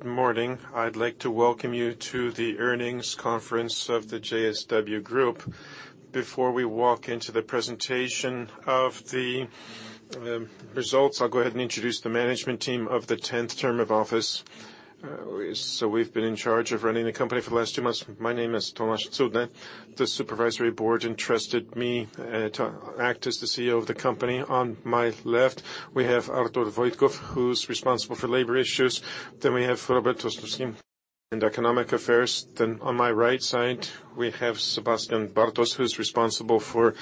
Good morning. I'd like to welcome you to the earnings conference of the JSW Group. Before we walk into the presentation of the results, I'll go ahead and introduce the management team of the tenth term of office. We've been in charge of running the company for the last two months. My name is Tomasz Cudny. The supervisory board entrusted me to act as the CEO of the company. On my left, we have Artur Wojtków, who's responsible for labor issues. We have Robert Ostrowski in economic affairs. On my right side, we have Sebastian Bartos, who's responsible for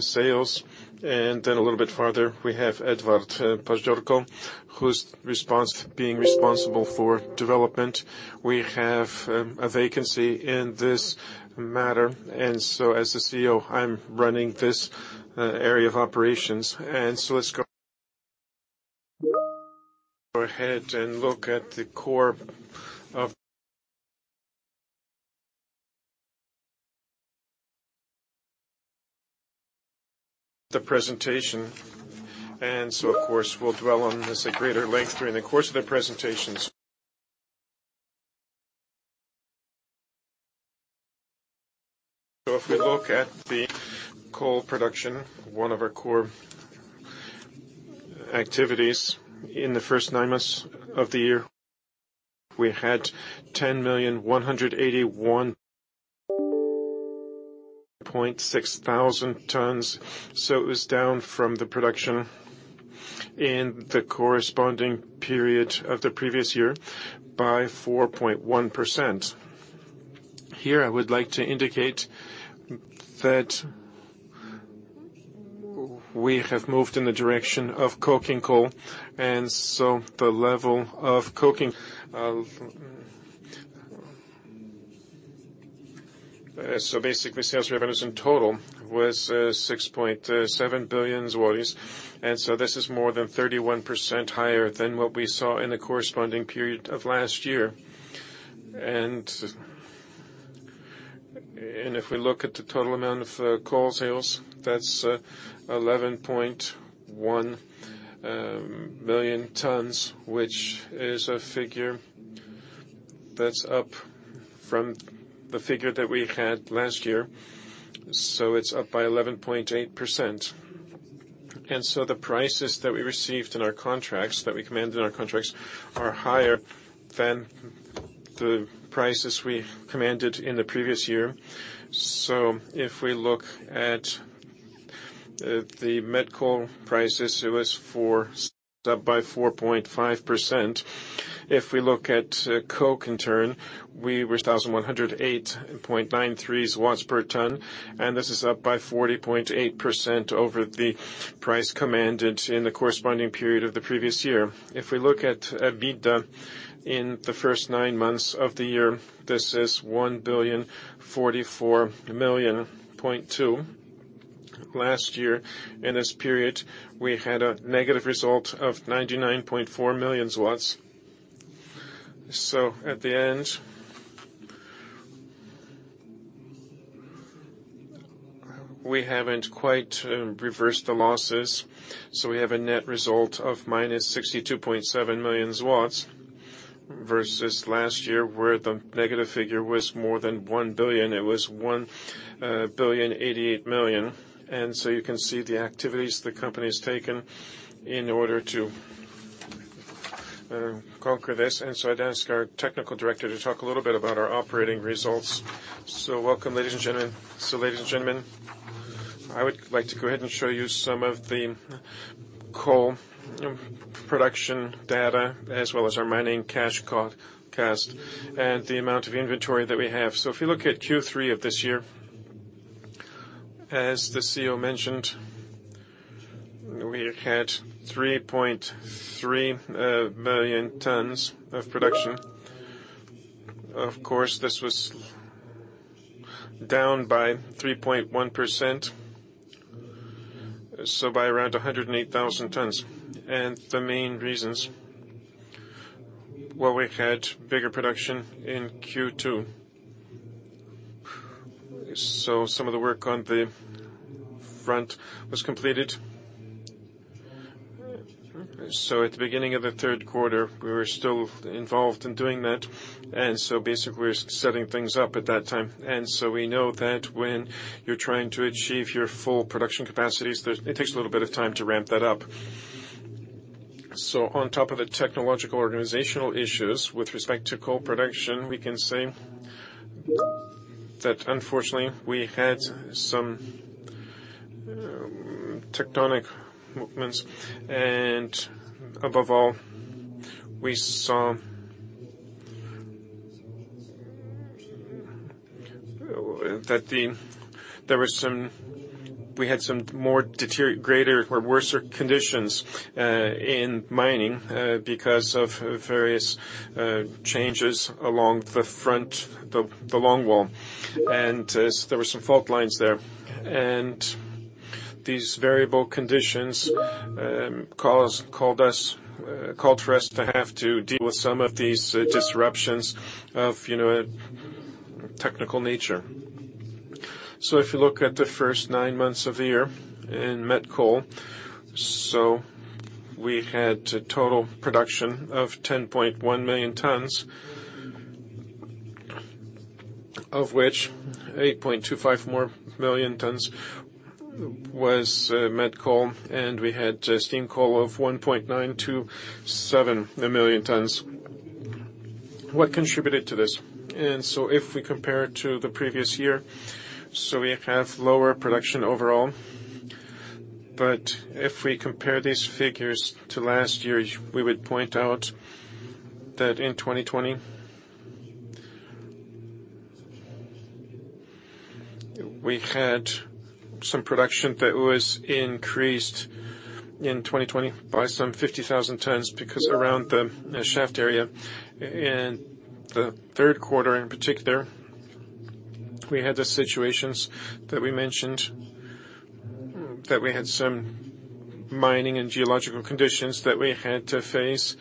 sales. A little bit farther, we have Edward Paździorko, who's responsible for development. We have a vacancy in this matter. As the CEO, I'm running this area of operations. Let's go ahead and look at the core of the presentation. Of course, we'll dwell on this at greater length during the course of the presentation. If we look at the coal production, one of our core activities in the first nine months of the year, we had 10,181,600 tons. It was down from the production in the corresponding period of the previous year by 4.1%. Here, I would like to indicate that we have moved in the direction of coking coal. Basically, sales revenues in total was 6.7 billion zlotys. This is more than 31% higher than what we saw in the corresponding period of last year. If we look at the total amount of coal sales, that's 11.1 million tons, which is a figure that's up from the figure that we had last year. It's up by 11.8%. The prices that we received in our contracts, that we commanded in our contracts are higher than the prices we commanded in the previous year. If we look at the met coal prices, it's up by 4.5%. If we look at coke, in turn, we were at 1,108.93 per ton, and this is up by 40.8% over the price commanded in the corresponding period of the previous year. If we look at EBITDA in the first nine months of the year, this is 1,044.2 million. Last year, in this period, we had a negative result of 99.4 million zlotys. At the end, we haven't quite reversed the losses. We have a net result of -62.7 million zlotys versus last year, where the negative figure was more than 1 billion. It was 1,088 million. You can see the activities the company has taken in order to conquer this. I'd ask our technical director to talk a little bit about our operating results. Welcome, Ladies and gentlemen, I would like to go ahead and show you some of the coal production data as well as our mining cash cost, and the amount of inventory that we have. If you look at Q3 of this year, as the CEO mentioned, we had 3.3 million tons of production. Of course, this was down by 3.1%, so by around 108,000 tons. The main reasons, well, we've had bigger production in Q2. Some of the work on the front was completed. At the beginning of the third quarter, we were still involved in doing that. Basically, we're setting things up at that time. We know that when you're trying to achieve your full production capacities, that it takes a little bit of time to ramp that up. On top of the technological organizational issues with respect to coal production, we can say that unfortunately, we had some tectonic movements. Above all, we saw that there was some greater or worse conditions in mining because of various changes along the front, the longwall. There were some fault lines there. These variable conditions called for us to have to deal with some of these disruptions of, you know, technical nature. If you look at the first nine months of the year in met coal, we had total production of 10.1 million tons, of which 8.25 million tons was met coal, and we had steam coal of 1.927 million tons. What contributed to this? If we compare it to the previous year, so we have lower production overall. If we compare these figures to last year's, we would point out that in 2020, we had some production that was increased in 2020 by some 50,000 tons, because around the shaft area. In the third quarter, in particular, we had the situations that we mentioned, that we had some mining and geological conditions that we had to face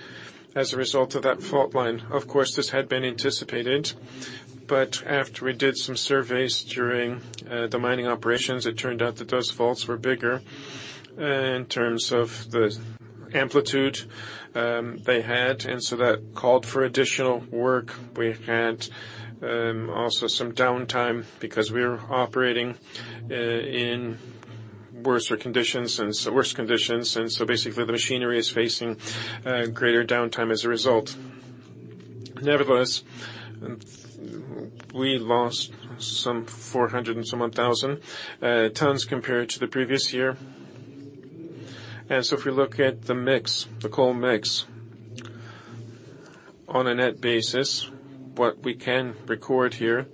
as a result of that fault line. Of course, this had been anticipated, but after we did some surveys during the mining operations, it turned out that those faults were bigger in terms of the amplitude they had, and that called for additional work. We had also some downtime because we are operating in worse conditions. Basically the machinery is facing greater downtime as a result. Nevertheless, we lost some 400 thousand tons compared to the previous year. If we look at the mix, the coal mix. On a net basis, what we can record here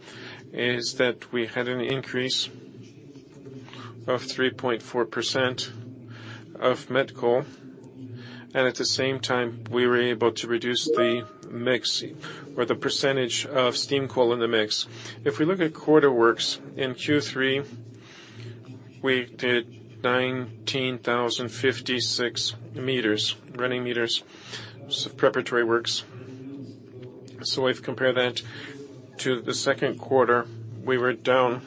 is that we had an increase of 3.4% of met coal, and at the same time, we were able to reduce the mix or the percentage of steam coal in the mix. If we look at corridor works in Q3, we did 19,056 meters, running meters of preparatory works. If we compare that to the second quarter, we were down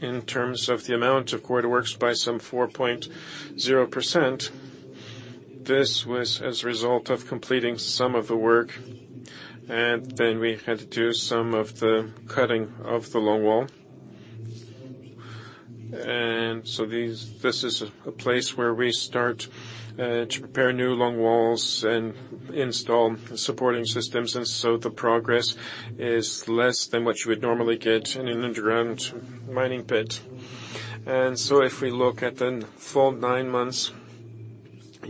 in terms of the amount of corridor works by some 4.0%. This was as a result of completing some of the work, and then we had to do some of the cutting of the longwall. This is a place where we start to prepare new longwalls and install supporting systems, and so the progress is less than what you would normally get in an underground mining pit. If we look at the full nine months,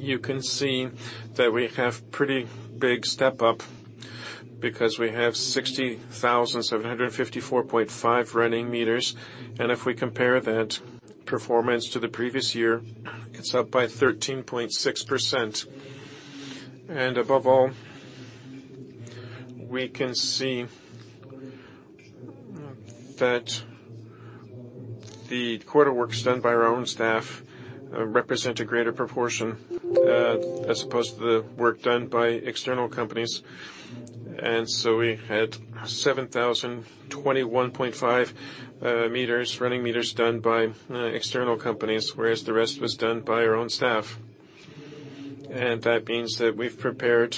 you can see that we have pretty big step up because we have 60,754.5 running meters. If we compare that performance to the previous year, it's up by 13.6%. Above all, we can see that the corridor works done by our own staff represent a greater proportion, as opposed to the work done by external companies. We had 7,021.5 meters, running meters done by external companies, whereas the rest was done by our own staff. That means that we've prepared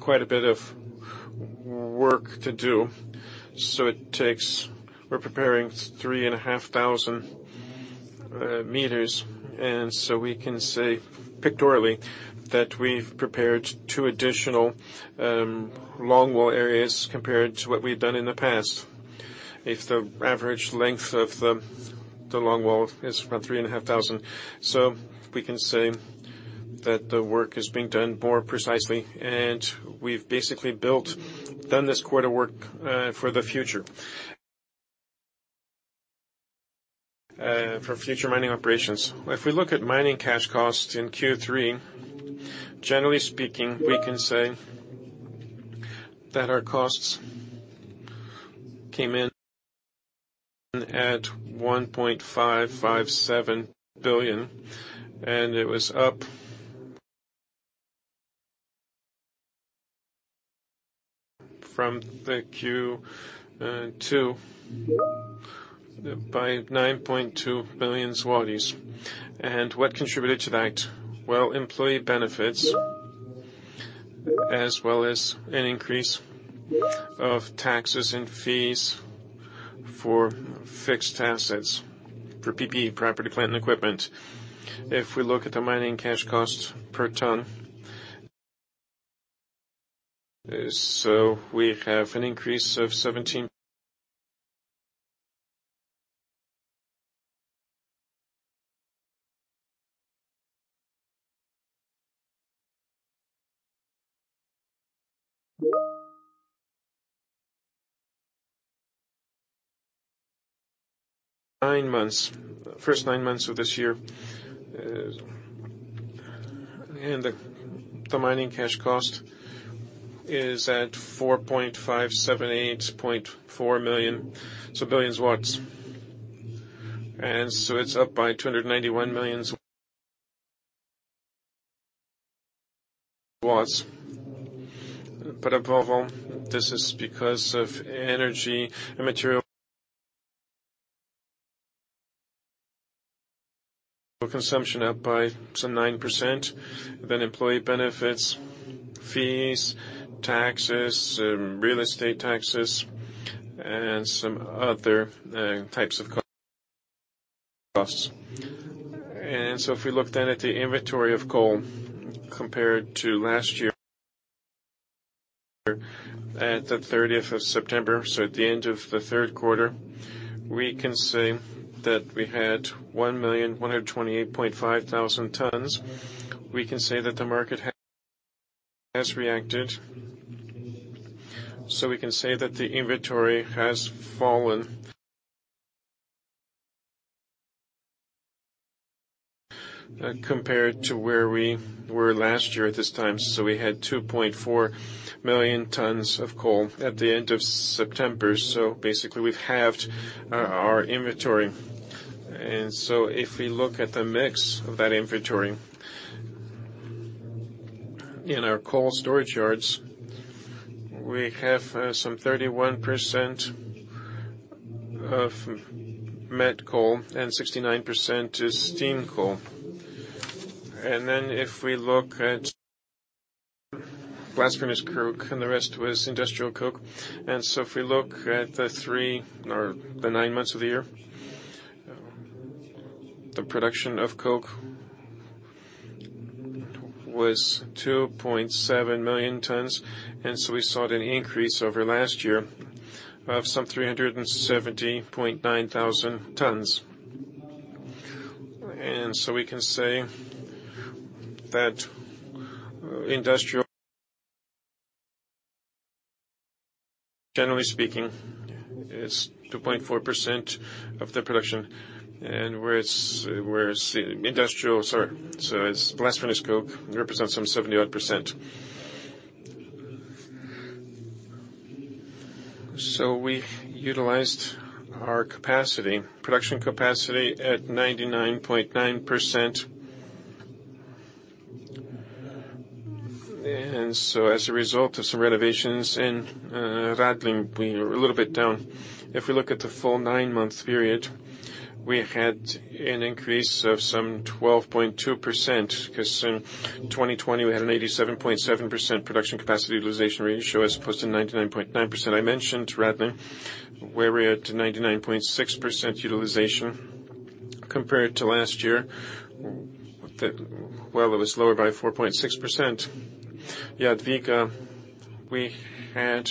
quite a bit of work to do. We're preparing 3,500 meters, and we can say pictorially that we've prepared two additional longwall areas compared to what we've done in the past. If the average length of the longwall is around 3,500. We can say that the work is being done more precisely, and we've basically built, done this quarter work for the future, for future mining operations. If we look at mining cash costs in Q3, generally speaking, we can say that our costs came in at 1.557 billion, and it was up from Q2 by 9.2 billion zlotys. What contributed to that? Well, employee benefits, as well as an increase of taxes and fees for fixed assets, for PPE, property, plant, and equipment. If we look at the mining cash cost per ton, we have an increase of 17% in the first nine months of this year. The mining cash cost is at 4.578 billion. It's up by 291 million. Above all, this is because of energy and material consumption up by some 9%, then employee benefits, fees, taxes, real estate taxes, and some other types of costs. If we look then at the inventory of coal compared to last year at the 30 September, so at the end of the third quarter, we can say that we had 1,128.5 thousand tons. We can say that the market has reacted. We can say that the inventory has fallen compared to where we were last year at this time. We had 2.4 million tons of coal at the end of September. Basically, we've halved our inventory. If we look at the mix of that inventory in our coal storage yards, we have some 31% met coal and 69% is steam coal. If we look at blast furnace coke, and the rest was industrial coke. If we look at the three or the nine months of the year, the production of coke was 2.7 million tons, and we saw an increase over last year of some 370.9 thousand tons. We can say that industrial, generally speaking, is 2.4% of the production. Blast furnace coke represents some 70-odd%. We utilized our capacity, production capacity at 99.9%. As a result of some renovations in Radlin, we are a little bit down. If we look at the full nine month period, we had an increase of some 12.2% 'cause in 2020 we had an 87.7% production capacity utilization ratio as opposed to 99.9%. I mentioned Radlin, where we had 99.6% utilization compared to last year, it was lower by 4.6%. Jadwiga, we had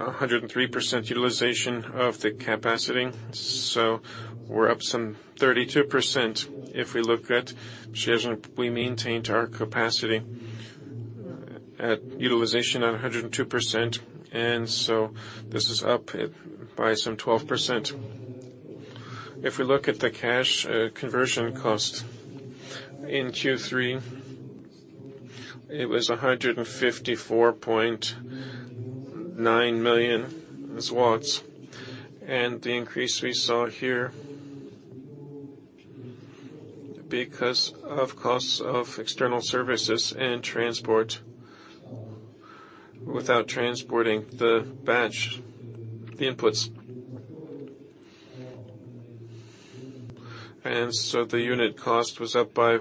a 103% utilization of the capacity, so we're up some 32%. If we look at Szczezno we maintained our capacity at utilization at a 102%, this is up by some 12%. If we look at the cash conversion cost in Q3, it was 154.9 million. The increase we saw here because of costs of external services and transport without transporting the batch, the inputs. The unit cost was up by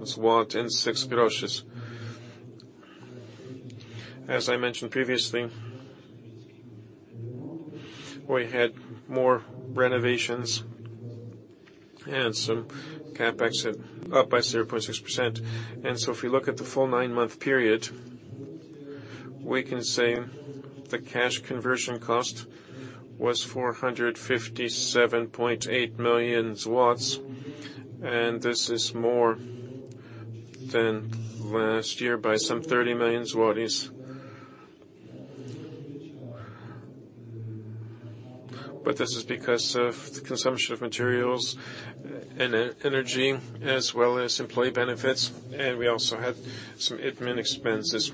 1.06. As I mentioned previously, we had more renovations and some CapEx up by 0.6%. If we look at the full nine month period, we can say the cash conversion cost was 457.8 million, and this is more than last year by some 30 million. This is because of the consumption of materials and energy as well as employee benefits. We also had some admin expenses.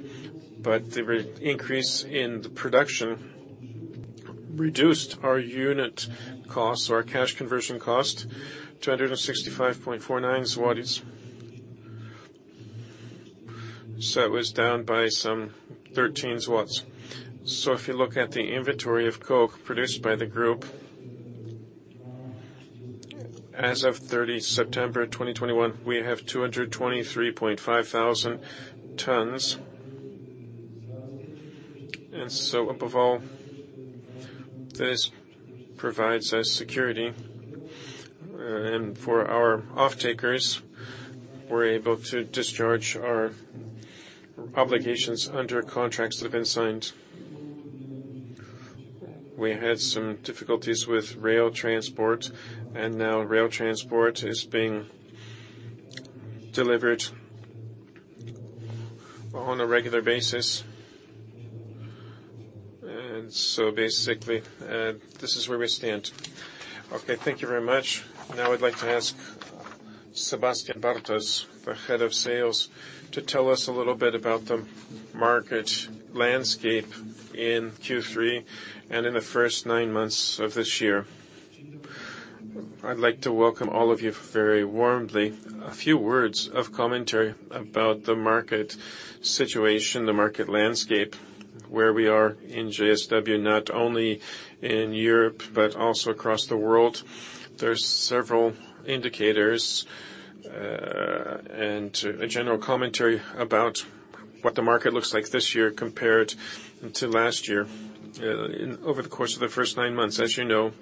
The increase in the production reduced our unit cost or our cash conversion cost to PLN 165.49. It was down by some 13. If you look at the inventory of coke produced by the group as of 30 September 2021, we have 223,500 tons. Above all, this provides us security. For our off-takers, we're able to discharge our obligations under contracts that have been signed. We had some difficulties with rail transport, and now rail transport is being delivered on a regular basis. Basically, this is where we stand. Okay, thank you very much. Now I'd like to ask Sebastian Bartos, the head of sales, to tell us a little bit about the market landscape in Q3 and in the first nine months of this year. I'd like to welcome all of you very warmly. A few words of commentary about the market situation, the market landscape, where we are in JSW, not only in Europe, but also across the world. There's several indicators, and a general commentary about what the market looks like this year compared to last year. Over the course of the first nine months, as you know,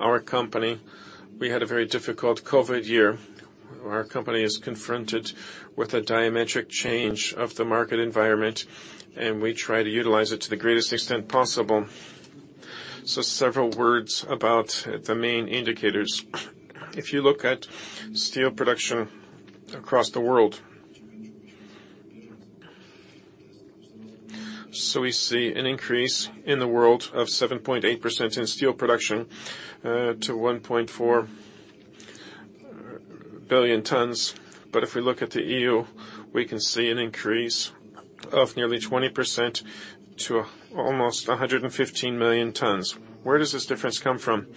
our company, we had a very difficult COVID year. Our company is confronted with a diametric change of the market environment, and we try to utilize it to the greatest extent possible. Several words about the main indicators. If you look at steel production across the world, so we see an increase in the world of 7.8% in steel production, to 1.4 billion tons. If we look at the EU, we can see an increase of nearly 20% to almost 115 million tons. Where does this difference come from?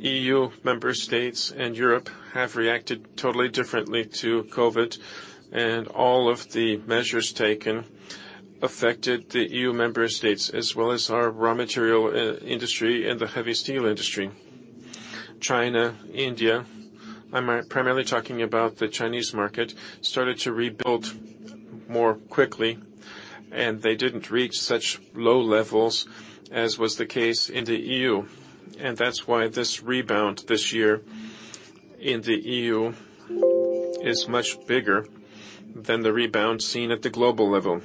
EU member states and Europe have reacted totally differently to COVID, and all of the measures taken affected the EU member states, as well as our raw material industry and the heavy steel industry. China, India, I'm primarily talking about the Chinese market, started to rebuild more quickly, and they didn't reach such low levels as was the case in the EU. That's why this rebound this year in the EU is much bigger than the rebound seen at the global level,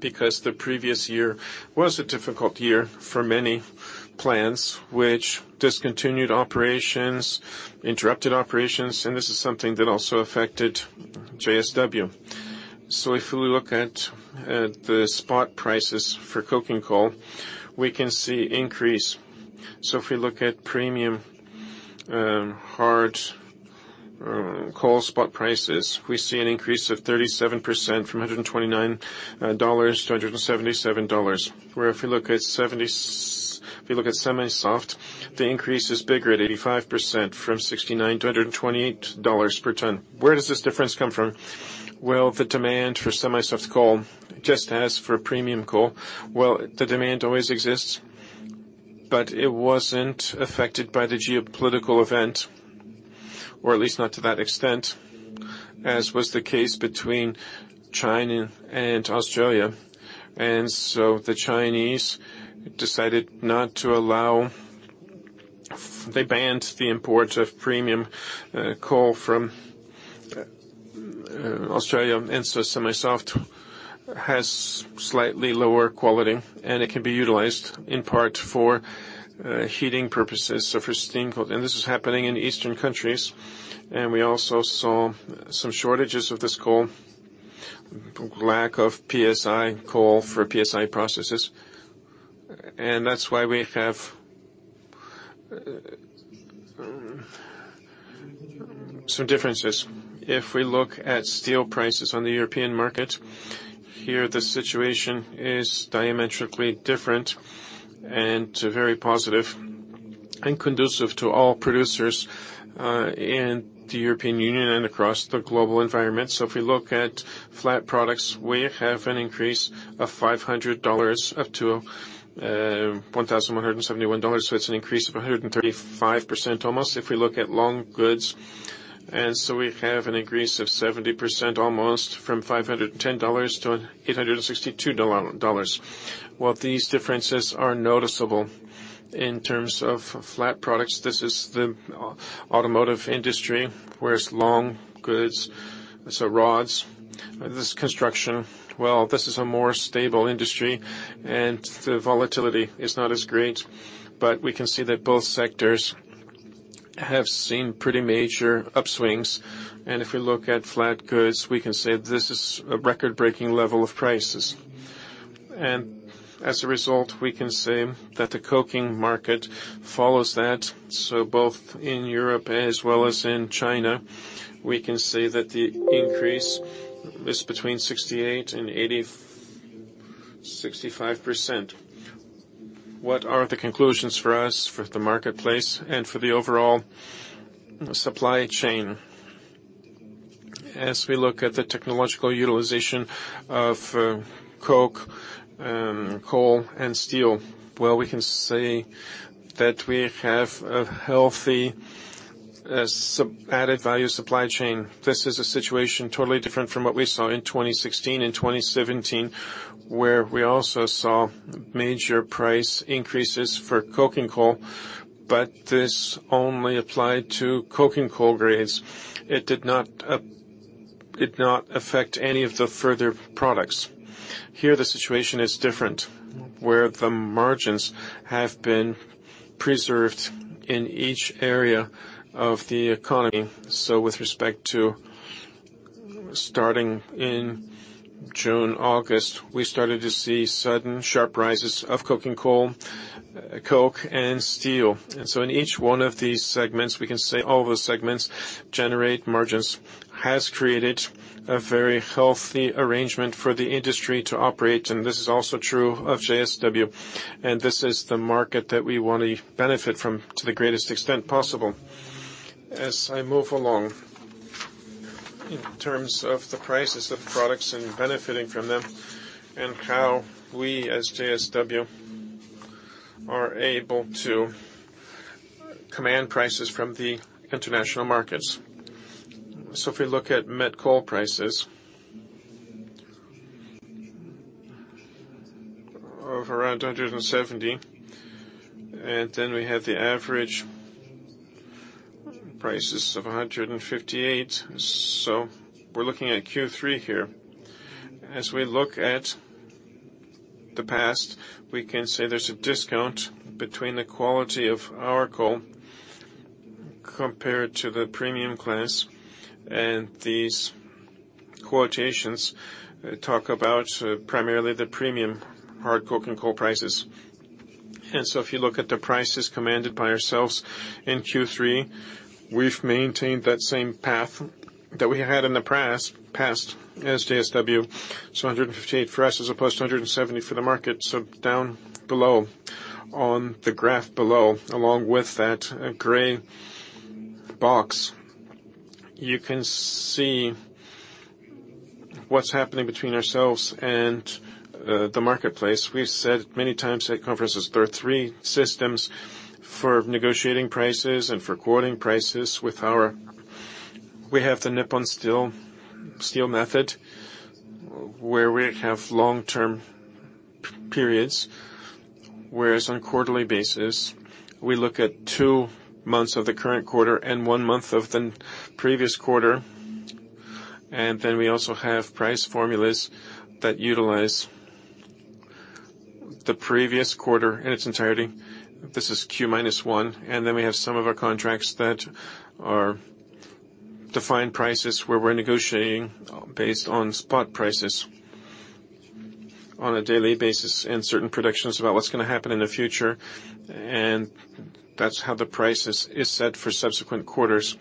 because the previous year was a difficult year for many plants which discontinued operations, interrupted operations, and this is something that also affected JSW. If we look at the spot prices for coking coal, we can see increase. If we look at premium hard coal spot prices, we see an increase of 37% from $129 to $177. If you look at semi-soft, the increase is bigger at 85% from 69 to $128 per ton. Where does this difference come from? Well, the demand for semi-soft coal, just as for premium coal, well, the demand always exists, but it wasn't affected by the geopolitical event, or at least not to that extent, as was the case between China and Australia. The Chinese decided not to allow... They banned the import of premium coal from Australia. Semi-soft has slightly lower quality, and it can be utilized in part for heating purposes. For steam, and this is happening in eastern countries. We also saw some shortages of this coal, lack of PCI coal for PCI processes. That's why we have some differences. If we look at steel prices on the European market, here the situation is diametrically different and very positive and conducive to all producers in the European Union and across the global environment. If we look at flat products, we have an increase of $500 up to $1,171. It's an increase of 135% almost. If we look at long goods, and so we have an increase of 70% almost from $510 to $862 dollars. While these differences are noticeable in terms of flat products, this is the automotive industry, whereas long goods, so rods, this construction, well, this is a more stable industry and the volatility is not as great. We can see that both sectors have seen pretty major upswings. If we look at flat goods, we can say this is a record-breaking level of prices. As a result, we can say that the coking market follows that. Both in Europe as well as in China, we can say that the increase is between 68%-85%. What are the conclusions for us, for the marketplace, and for the overall supply chain? As we look at the technological utilization of coke, coal, and steel, well, we can say that we have a healthy value-added supply chain. This is a situation totally different from what we saw in 2016 and 2017, where we also saw major price increases for coking coal, but this only applied to coking coal grades. It did not affect any of the further products. Here, the situation is different, where the margins have been preserved in each area of the economy. With respect to starting in June, August, we started to see sudden sharp rises of coking coal, coke and steel. In each one of these segments, we can say all the segments generate margins, has created a very healthy arrangement for the industry to operate. This is also true of JSW. This is the market that we want to benefit from to the greatest extent possible. As I move along. In terms of the prices of products and benefiting from them, and how we as JSW are able to command prices from the international markets. If we look at met coal prices of around $170, and then we have the average prices of $158. We're looking at Q3 here. As we look at the past, we can say there's a discount between the quality of our coal compared to the premium class, and these quotations talk about primarily the premium hard coking coal prices. If you look at the prices commanded by ourselves in Q3, we've maintained that same path that we had in the past as JSW. $158 for us, as opposed to $170 for the market. Down below, on the graph below, along with that gray box, you can see what's happening between ourselves and the marketplace. We've said many times at conferences, there are three systems for negotiating prices and for quoting prices with our... We have the Nippon Steel method, where we have long-term periods, whereas on a quarterly basis, we look at two months of the current quarter and one month of the previous quarter. We also have price formulas that utilize the previous quarter in its entirety. This is Q-1. Then we have some of our contracts that are defined prices where we're negotiating based on spot prices on a daily basis and certain predictions about what's gonna happen in the future, and that's how the price is set for subsequent quarters.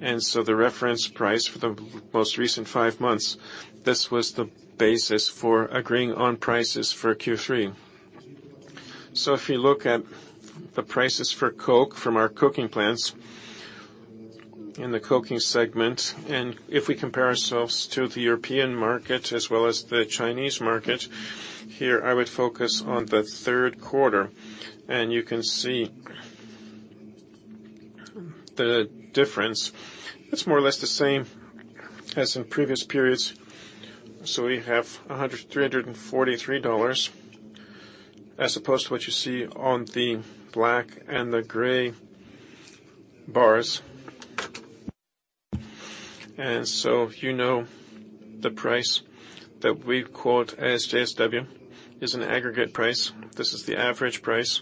The reference price for the most recent five months, this was the basis for agreeing on prices for Q3. If you look at the prices for coke from our coking plants in the coking segment, and if we compare ourselves to the European market as well as the Chinese market, here I would focus on the third quarter and you can see the difference. It's more or less the same as in previous periods. We have $343 as opposed to what you see on the black and the gray bars. You know the price that we quote as JSW is an aggregate price. This is the average price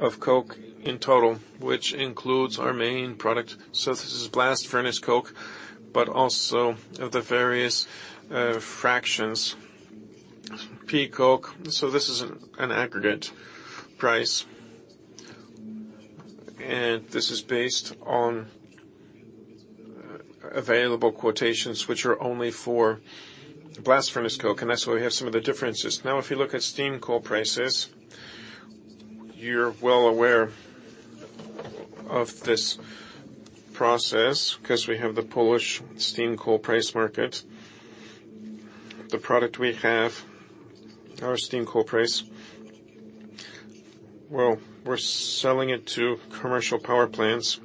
of coke in total, which includes our main product. This is blast furnace coke, but also of the various fractions, pea coke. This is an aggregate price. This is based on available quotations, which are only for blast furnace coke, and that's why we have some of the differences. Now, if you look at steam coal prices, you're well aware of this process because we have the Polish steam coal price market. The product we have, our steam coal price, well, we're selling it to commercial power plants,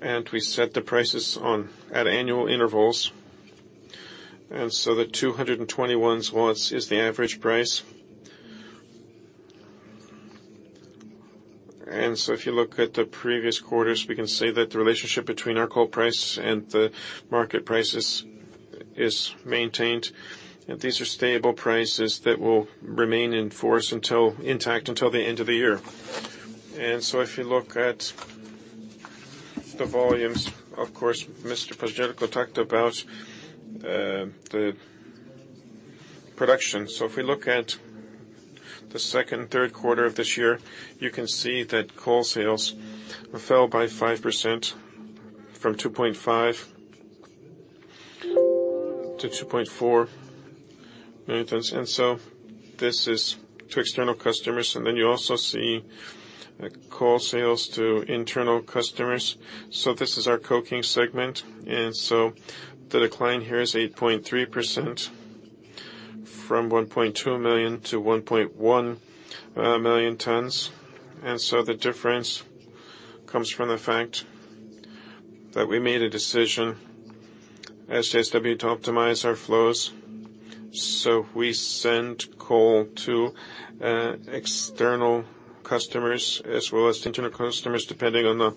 and we set the prices on at annual intervals. The 221 złoty is the average price. If you look at the previous quarters, we can say that the relationship between our coal price and the market prices is maintained. These are stable prices that will remain in force until, in fact, until the end of the year. If you look at the volumes, of course, Mr. Paździorko talked about the production. If we look at the second and third quarter of this year, you can see that coal sales fell by 5% from 2.5 million tons to 2.4 million tons. This is to external customers. And then you also see coal sales to internal customers. This is our coking segment. The decline here is 8.3% from 1.2 million to 1.1 million tons. The difference comes from the fact that we made a decision as JSW to optimize our flows. We send coal to external customers as well as internal customers, depending on the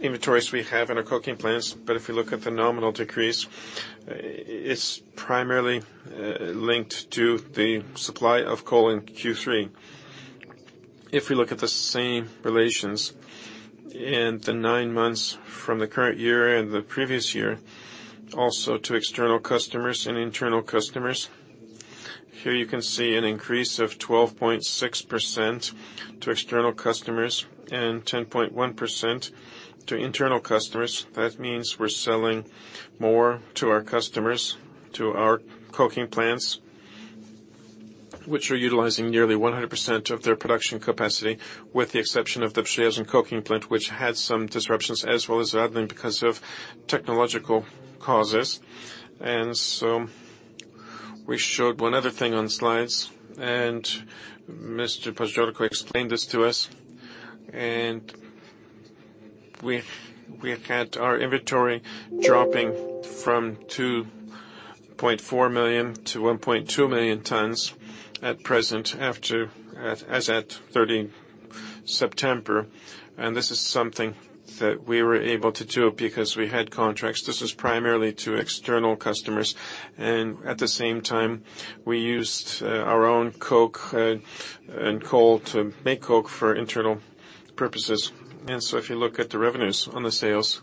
inventories we have in our coking plants. If you look at the nominal decrease, it's primarily linked to the supply of coal in Q3. If we look at the same relations in the nine months from the current year and the previous year, also to external customers and internal customers, here you can see an increase of 12.6% to external customers and 10.1% to internal customers. That means we're selling more to our customers, to our coking plants, which are utilizing nearly 100% of their production capacity, with the exception of the Przyjaźń coking plant, which had some disruptions, as well as Radlin because of technological causes. We showed one other thing on slides, and Mr. Pożdżiolko explained this to us, and we had our inventory dropping from 2.4 million to 1.2 million tons at present, as at 30 September. This is something that we were able to do because we had contracts. This is primarily to external customers, and at the same time, we used our own coke and coal to make coke for internal purposes. If you look at the revenues on the sales,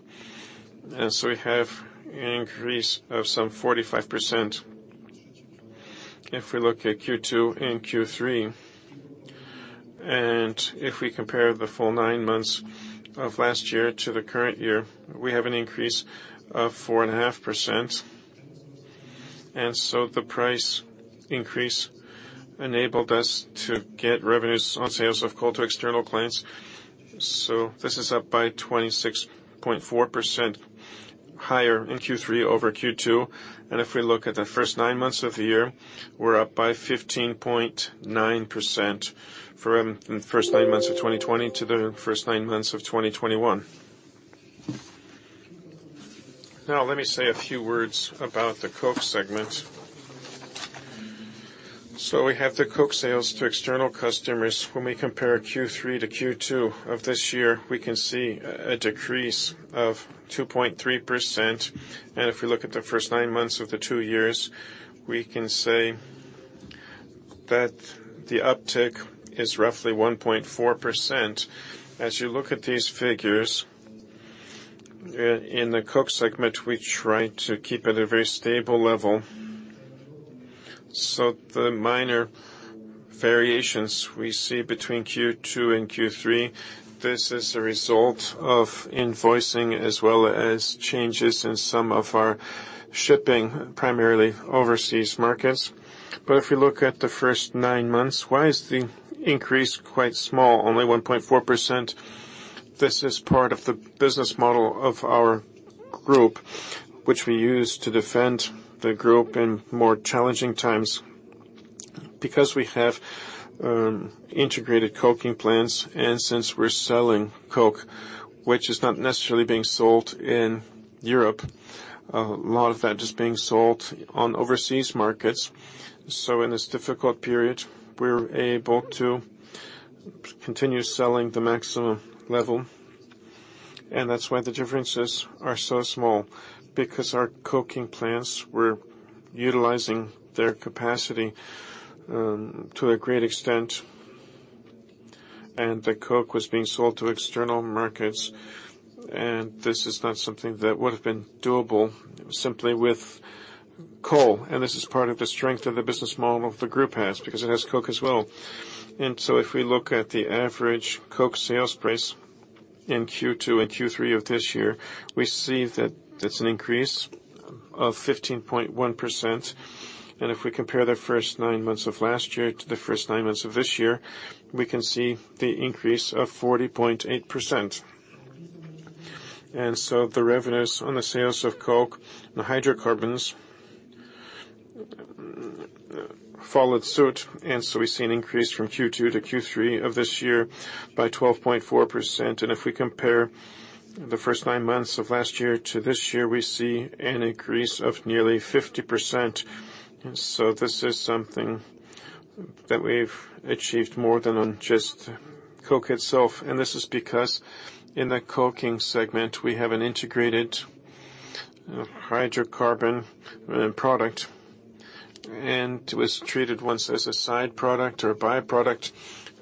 we have an increase of some 45% if we look at Q2 and Q3. If we compare the full nine months of last year to the current year, we have an increase of 4.5%. The price increase enabled us to get revenues on sales of coal to external clients. This is up by 26.4% higher in Q3 over Q2. If we look at the first nine months of the year, we're up by 15.9% from the first nine months of 2020 to the first nine months of 2021. Now let me say a few words about the coke segment. We have the coke sales to external customers. When we compare Q3 to Q2 of this year, we can see a decrease of 2.3%. If we look at the first nine months of the two years, we can say that the uptick is roughly 1.4%. As you look at these figures, in the coke segment, we try to keep it at a very stable level. The minor variations we see between Q2 and Q3. This is a result of invoicing as well as changes in some of our shipping, primarily overseas markets. If you look at the first nine months, why is the increase quite small, only 1.4%? This is part of the business model of our group, which we use to defend the group in more challenging times. Because we have integrated coking plants and since we're selling coke, which is not necessarily being sold in Europe, a lot of that is being sold on overseas markets. In this difficult period, we're able to continue selling the maximum level, and that's why the differences are so small, because our coking plants were utilizing their capacity to a great extent, and the coke was being sold to external markets. This is not something that would have been doable simply with coal. This is part of the strength of the business model the group has because it has coke as well. If we look at the average coke sales price in Q2 and Q3 of this year, we see that it's an increase of 15.1%. If we compare the first nine months of last year to the first nine months of this year, we can see the increase of 40.8%. The revenues on the sales of coke and hydrocarbons followed suit, and we see an increase from Q2 to Q3 of this year by 12.4%. If we compare the first nine months of last year to this year, we see an increase of nearly 50%. This is something that we've achieved more than on just coke itself. This is because in the coking segment, we have an integrated hydrocarbon product, and it was treated once as a side product or a by-product.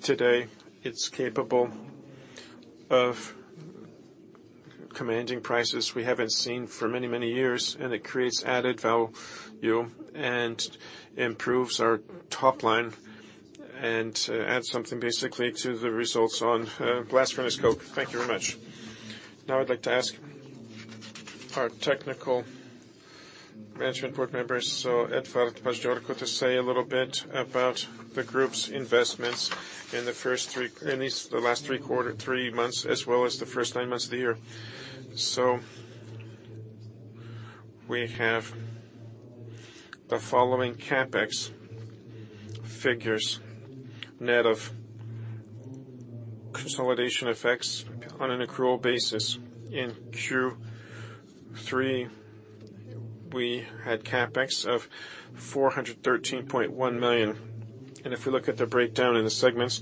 Today, it's capable of commanding prices we haven't seen for many, many years, and it creates added value and improves our top line and adds something basically to the results on last year's scope. Thank you very much. Now I'd like to ask our technical management board members, Edward Paździorko to say a little bit about the group's investments in the last three quarters, three months, as well as the first nine months of the year. We have the following CapEx figures, net of consolidation effects on an accrual basis. In Q3, we had CapEx of 413.1 million. If we look at the breakdown in the segments,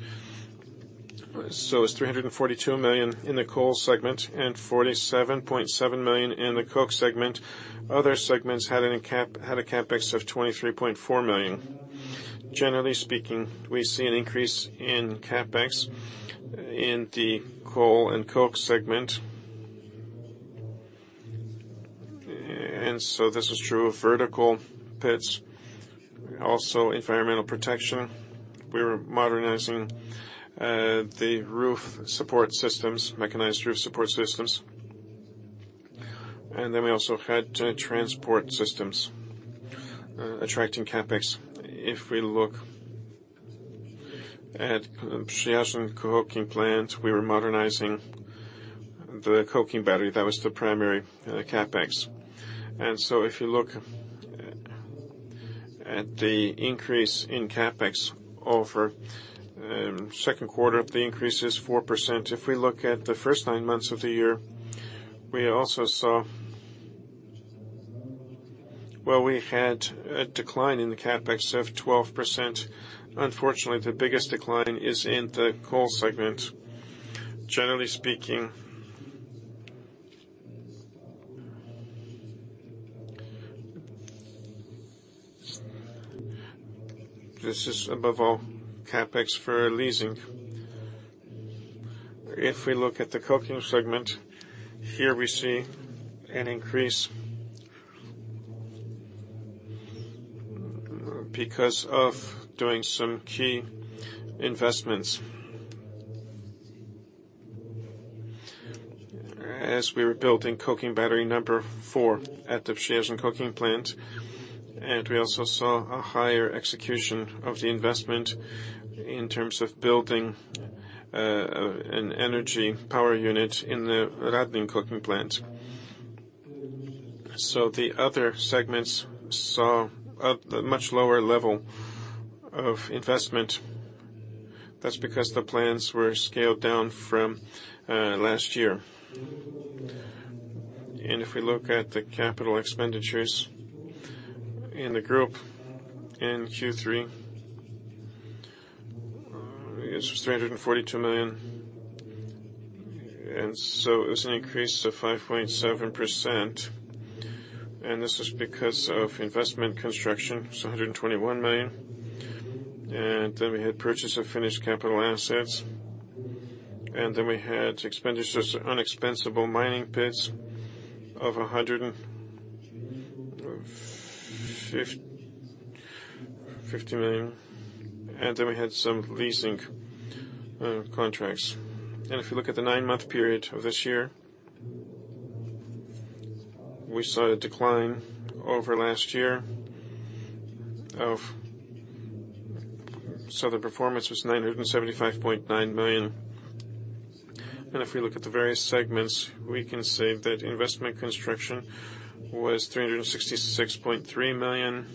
it's 342 million in the Coal Segment and 47.7 million in the Coke Segment. Other segments had a CapEx had a CapEx of 23.4 million. Generally speaking, we see an increase in CapEx in the coal and coke segment. This is true of vertical pits, also environmental protection. We were modernizing the roof support systems, mechanized roof support systems. We also had transport systems attracting CapEx. If we look at Przyjaźń coking plant, we were modernizing the coking battery. That was the primary CapEx. If you look at the increase in CapEx over second quarter, the increase is 4%. If we look at the first nine months of the year, we also saw well we had a decline in the CapEx of 12%. Unfortunately, the biggest decline is in the coal segment. Generally speaking, this is above all CapEx for leasing. If we look at the coking segment, here we see an increase because of doing some key investments. As we were building coking battery number four at the Przyjaźń coking plant, and we also saw a higher execution of the investment in terms of building an energy power unit in the Radlin coking plant. The other segments saw a much lower level of investment. That's because the plans were scaled down from last year. If we look at the capital expenditures in the group in Q3, it's 342 million. It was an increase of 5.7%. This is because of investment construction, so 121 million. Then we had purchase of finished capital assets, and then we had mine development expenditures of 150 million. We had some leasing contracts. If you look at the nine month period of this year, we saw a decline over last year. The performance was 975.9 million. If we look at the various segments, we can say that investment construction was 366.3 million.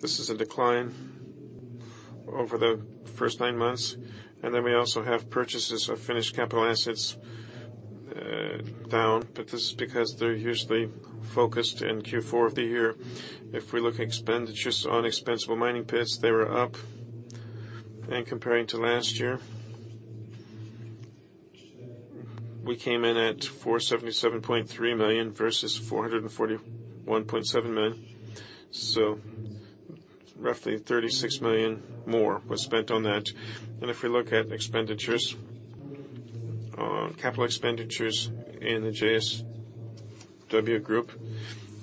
This is a decline over the first nine months. We also have purchases of finished capital assets down, but this is because they're usually focused in Q4 of the year. If we look at expenditures on expandable mining pits, they were up. Comparing to last year, we came in at 477.3 million versus 441.7 million. Roughly 36 million PLN more was spent on that. If we look at expenditures, capital expenditures in the JSW Group,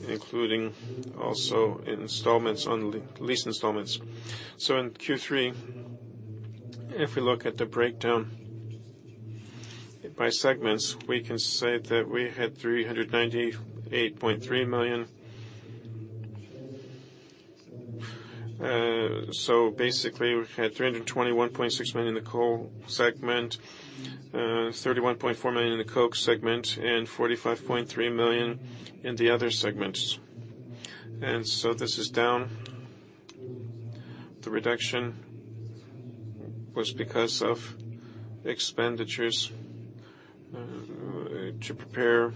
including also installments on lease installments. In Q3, if we look at the breakdown by segments, we can say that we had 398.3 million. Basically, we had 321.6 million in the coal segment, 31.4 million in the coke segment, and 45.3 million in the other segments. This is down. The reduction was because of expenditures to prepare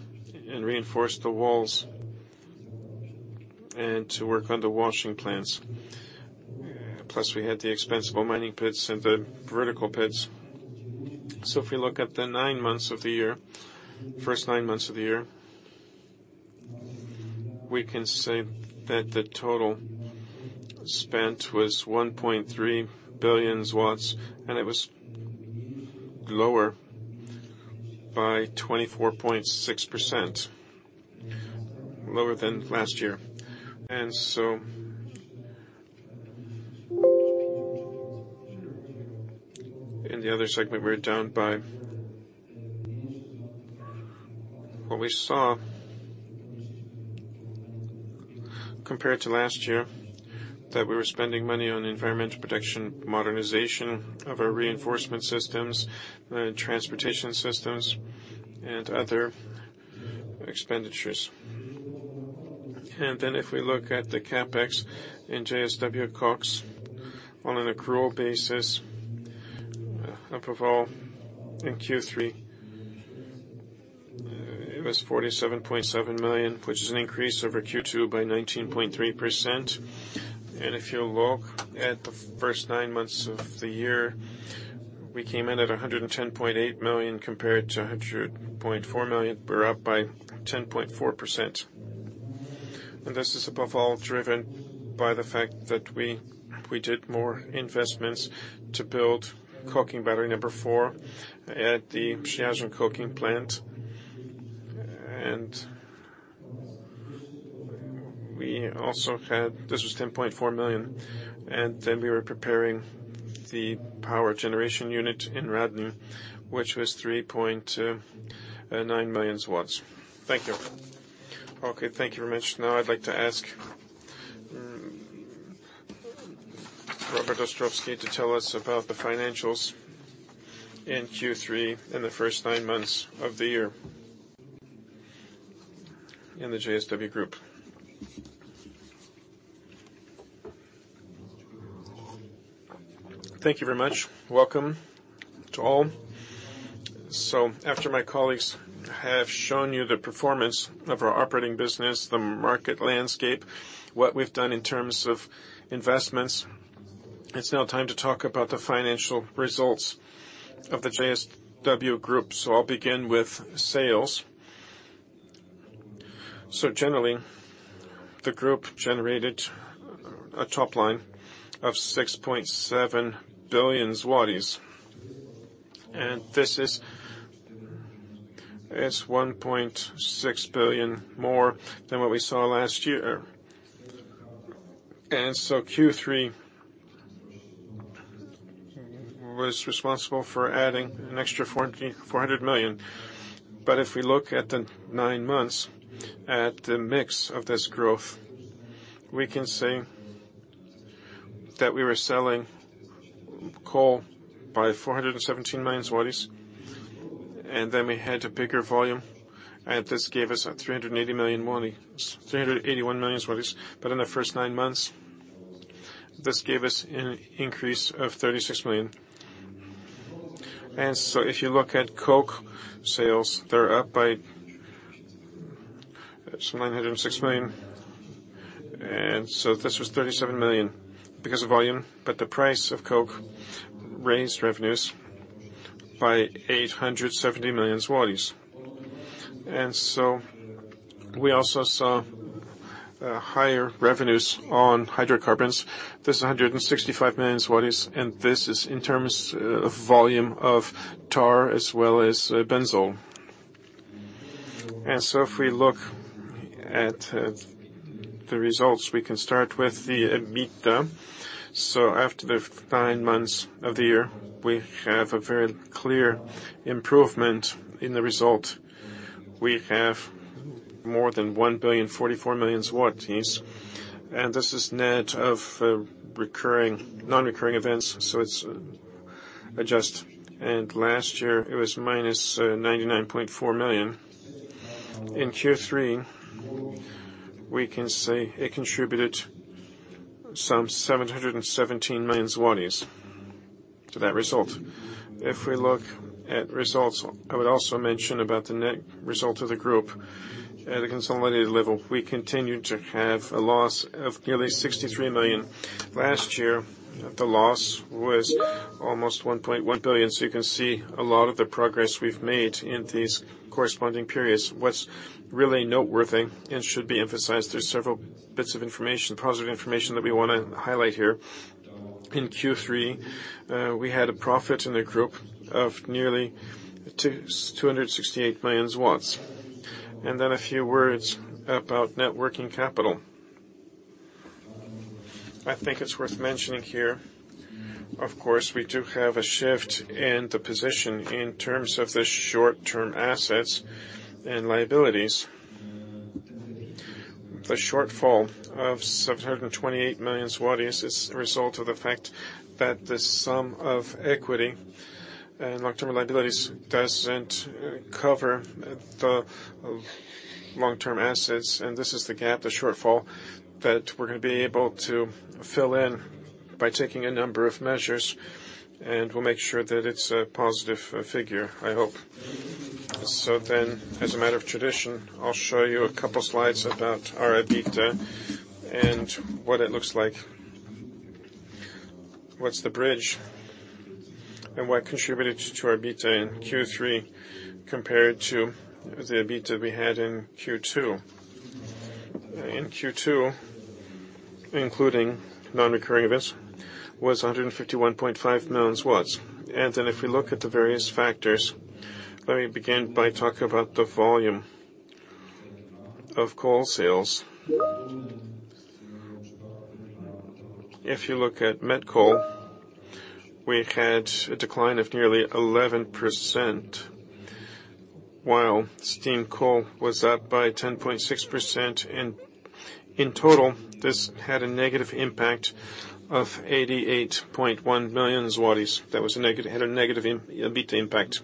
and reinforce the walls and to work on the washing plants. Plus, we had the expensable mining pits and the vertical pits. If we look at the nine months of the year, first nine months of the year, we can say that the total spent was 1.3 billion, and it was lower by 24.6% lower than last year. In the other segment, we're down by what we saw compared to last year, that we were spending money on environmental protection, modernization of our reinforcement systems, transportation systems, and other expenditures. If we look at the CapEx in JSW Koks on an accrual basis, above all in Q3, it was 47.7 million, which is an increase over Q2 by 19.3%. If you look at the first nine months of the year, we came in at 110.8 million compared to 100.4 million. We're up by 10.4%. This is above all driven by the fact that we did more investments to build coking battery number four at the Przyjaźń coking plant. We also had this, 10.4 million PLN, and then we were preparing the power generation unit in Radlin, which was 3.9 million PLN. Thank you. Okay. Thank you very much. Now I'd like to ask Robert Ostrowski to tell us about the financials in Q3 in the first nine months of the year in the JSW Group. Thank you very much. Welcome to all. After my colleagues have shown you the performance of our operating business, the market landscape, what we've done in terms of investments, it's now time to talk about the financial results of the JSW Group. I'll begin with sales. Generally, the group generated a top line of 6.7 billion zlotys. This is, it's 1.6 billion more than what we saw last year. Q3 was responsible for adding an extra 4,400 million. If we look at the nine months at the mix of this growth, we can say that we were selling coal by 417 million zlotys, and then we had a bigger volume, and this gave us a 380 million zlotys, 381 million zlotys. In the first nine months, this gave us an increase of 36 million. If you look at coke sales, they're up by 906 million. This was 37 million because of volume, but the price of coke raised revenues by 870 million zlotys. We also saw higher revenues on hydrocarbons. This is 165 million, and this is in terms of volume of tar as well as benzol. If we look at the results, we can start with the EBITDA. After the nine months of the year, we have a very clear improvement in the result. We have more than 1,044 million, and this is net of recurring, non-recurring events. It's adjusted. Last year, it was minus 99.4 million. In Q3, we can say it contributed some 717 million zlotys to that result. If we look at results, I would also mention about the net result of the group at a consolidated level. We continue to have a loss of nearly 63 million. Last year, the loss was almost 1.1 billion. You can see a lot of the progress we've made in these corresponding periods. What's really noteworthy and should be emphasized, there's several bits of information, positive information that we wanna highlight here. In Q3, we had a profit in the group of nearly 268 million. A few words about net working capital. I think it's worth mentioning here, of course, we do have a shift in the position in terms of the short-term assets and liabilities. The shortfall of 728 million zlotys is a result of the fact that the sum of equity and long-term liabilities doesn't cover the long-term assets, and this is the gap, the shortfall, that we're gonna be able to fill in by taking a number of measures, and we'll make sure that it's a positive figure, I hope. As a matter of tradition, I'll show you a couple slides about our EBITDA and what it looks like. What's the bridge and what contributed to our EBITDA in Q3 compared to the EBITDA we had in Q2? In Q2, including non-recurring events, was 151.5 million. If we look at the various factors, let me begin by talking about the volume of coal sales. If you look at met coal, we had a decline of nearly 11%, while steam coal was up by 10.6%. In total, this had a negative impact of 88.1 million zlotys. That had a negative EBITDA impact.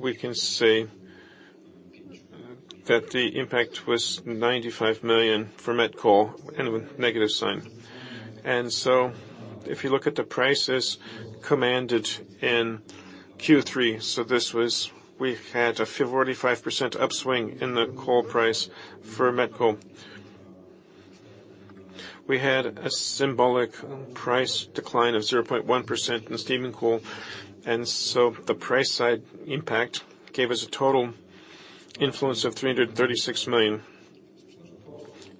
We can say that the impact was 95 million for met coal with negative sign. If you look at the prices commanded in Q3, we had a 45% upswing in the coal price for met coal. We had a symbolic price decline of 0.1% in steam coal, and so the price side impact gave us a total influence of 336 million.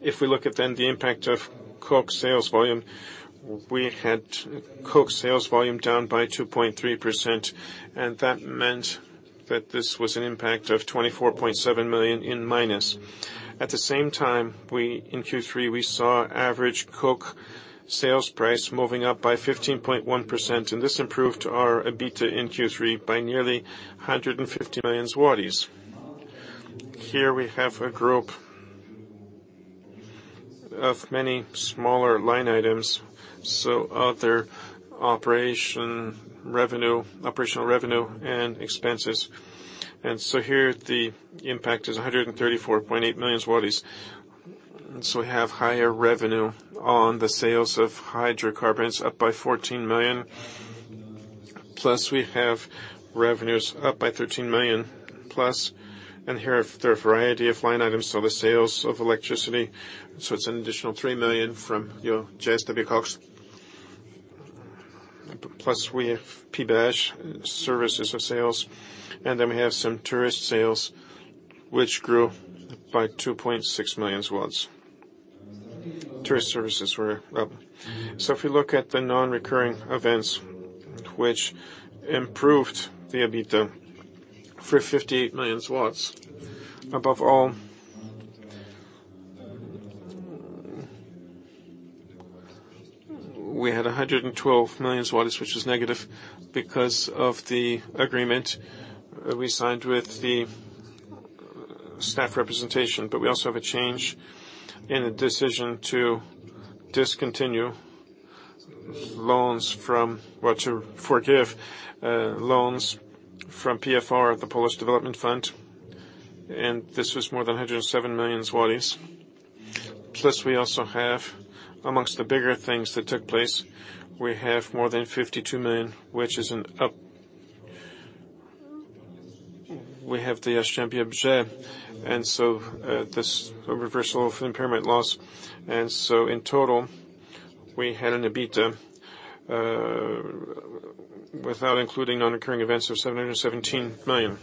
If we look at then the impact of coke sales volume, we had coke sales volume down by 2.3%, and that meant that this was an impact of -24.7 million. At the same time, in Q3, we saw average coke sales price moving up by 15.1%, and this improved our EBITDA in Q3 by nearly 150 million zlotys. Here we have a group of many smaller line items, so other operational revenue, operational revenue and expenses. Here the impact is 134.8 million. We have higher revenue on the sales of hydrocarbons up by 14 million, plus we have revenues up by 13 million plus. Here, there are a variety of line items. The sales of electricity, so it's an additional 3 million from JSW Koks. Plus we have PBSz sales of services, and then we have some other sales, which grew by 2.6 million. Other services were up. If we look at the non-recurring events which improved the EBITDA by 58 million. Above all, we had 112 million zlotys, which is negative because of the agreement we signed with the staff representation. We also have a change in a decision to forgive loans from PFR, the Polish Development Fund. This was more than 107 million zlotys. Plus, we also have, amongst the bigger things that took place, we have more than 52 million, which is an up. We have the JSW Obiekt, this reversal of impairment loss. In total, we had an EBITDA without including non-recurring events of 717 million.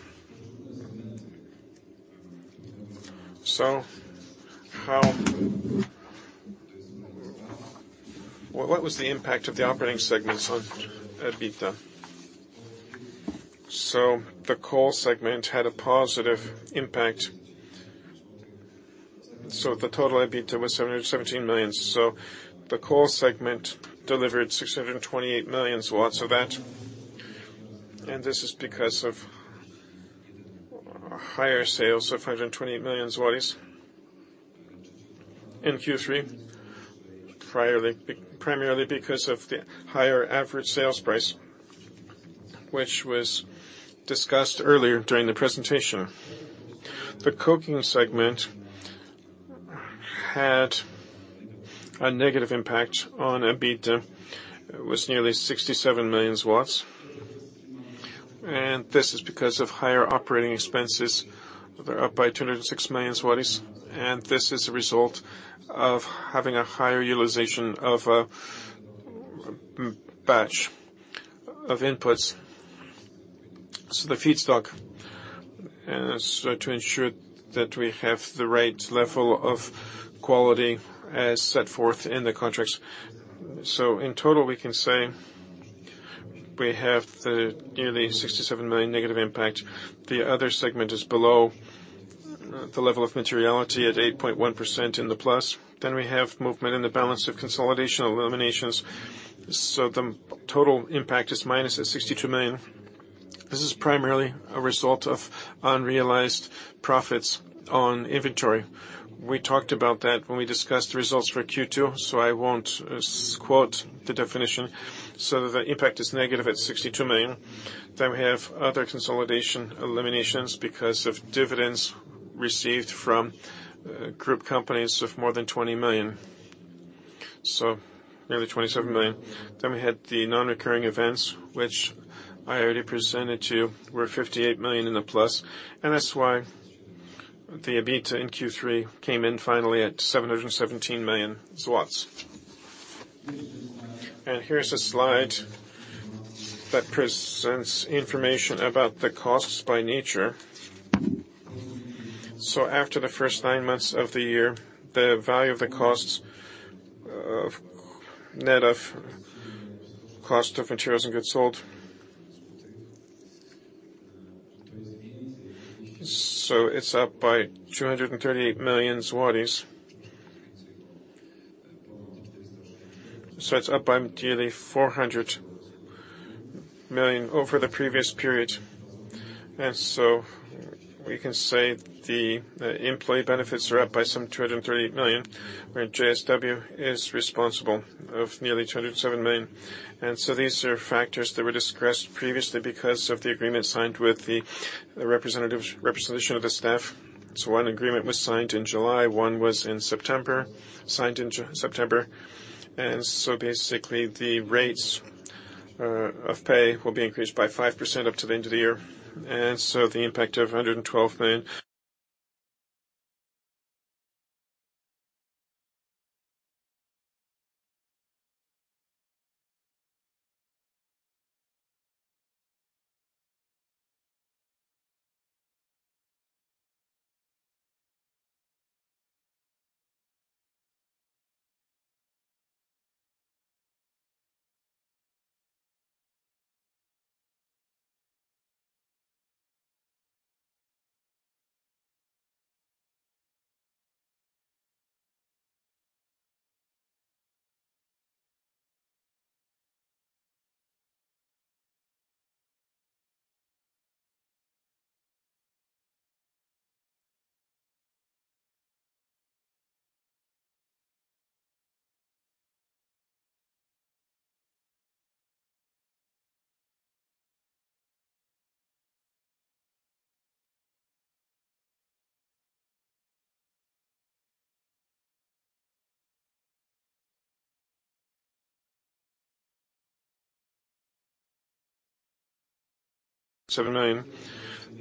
How or what was the impact of the operating segments on EBITDA? The coal segment had a positive impact. The total EBITDA was 717 million. The coal segment delivered 628 million zlotys of that, and this is because of higher sales of 120 million zlotys in Q3, primarily because of the higher average sales price, which was discussed earlier during the presentation. The coking segment had a negative impact on EBITDA of nearly 67 million zlotys, and this is because of higher operating expenses. They're up by 206 million zlotys, and this is a result of having a higher utilization of a batch of inputs. The feedstock has to ensure that we have the right level of quality as set forth in the contracts. In total, we can say we have nearly -67 million negative impact. The other segment is below the level of materiality at 8.1% in the plus. We have movement in the balance of consolidation eliminations. The total impact is -62 million. This is primarily a result of unrealized profits on inventory. We talked about that when we discussed the results for Q2, so I won't quote the definition. The impact is negative at 62 million. We have other consolidation eliminations because of dividends received from group companies of more than 20 million. Nearly 27 million. We had the non-recurring events, which I already presented to you, were 58 million in the plus, and that's why the EBITDA in Q3 came in finally at 717 million zlotys. Here's a slide that presents information about the costs by nature. After the first nine months of the year, the value of the costs net of cost of materials and goods sold. It's up by 238 million zlotys. It's up by nearly 400 million over the previous period. We can say the employee benefits are up by some 238 million, where JSW is responsible of nearly 207 million. These are factors that were discussed previously because of the agreement signed with the representative, representation of the staff. One agreement was signed in July, one was in September, signed in September. Basically, the rates of pay will be increased by 5% up to the end of the year. The impact of 112.7 million,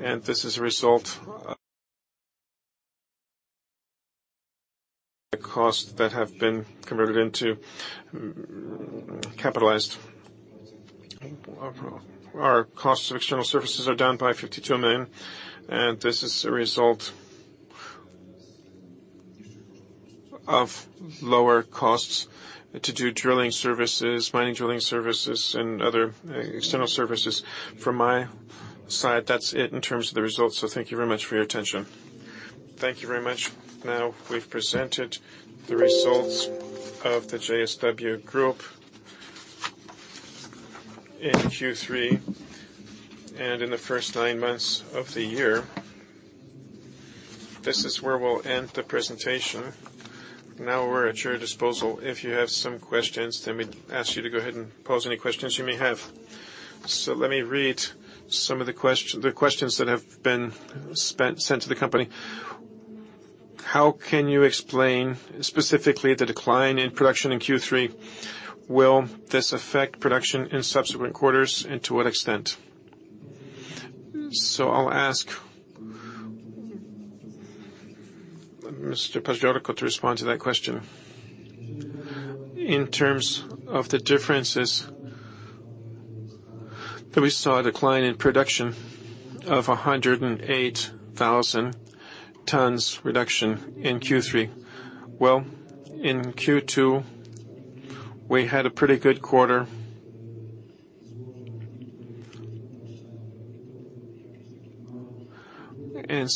and this is a result. The costs that have been converted into capitalized. Our costs of external services are down by 52 million, and this is a result of lower costs to do drilling services, mining drilling services, and other external services. From my side, that's it in terms of the results. Thank you very much for your attention. Thank you very much. Now we've presented the results of the JSW Group in Q3 and in the first nine months of the year. This is where we'll end the presentation. Now we're at your disposal. If you have some questions, let me ask you to go ahead and pose any questions you may have. Let me read some of the questions that have been sent to the company. How can you explain specifically the decline in production in Q3? Will this affect production in subsequent quarters, and to what extent? I'll ask Mr. Paździorko to respond to that question. In terms of the differences that we saw a decline in production of 108,000 tons reduction in Q3. Well, in Q2 we had a pretty good quarter.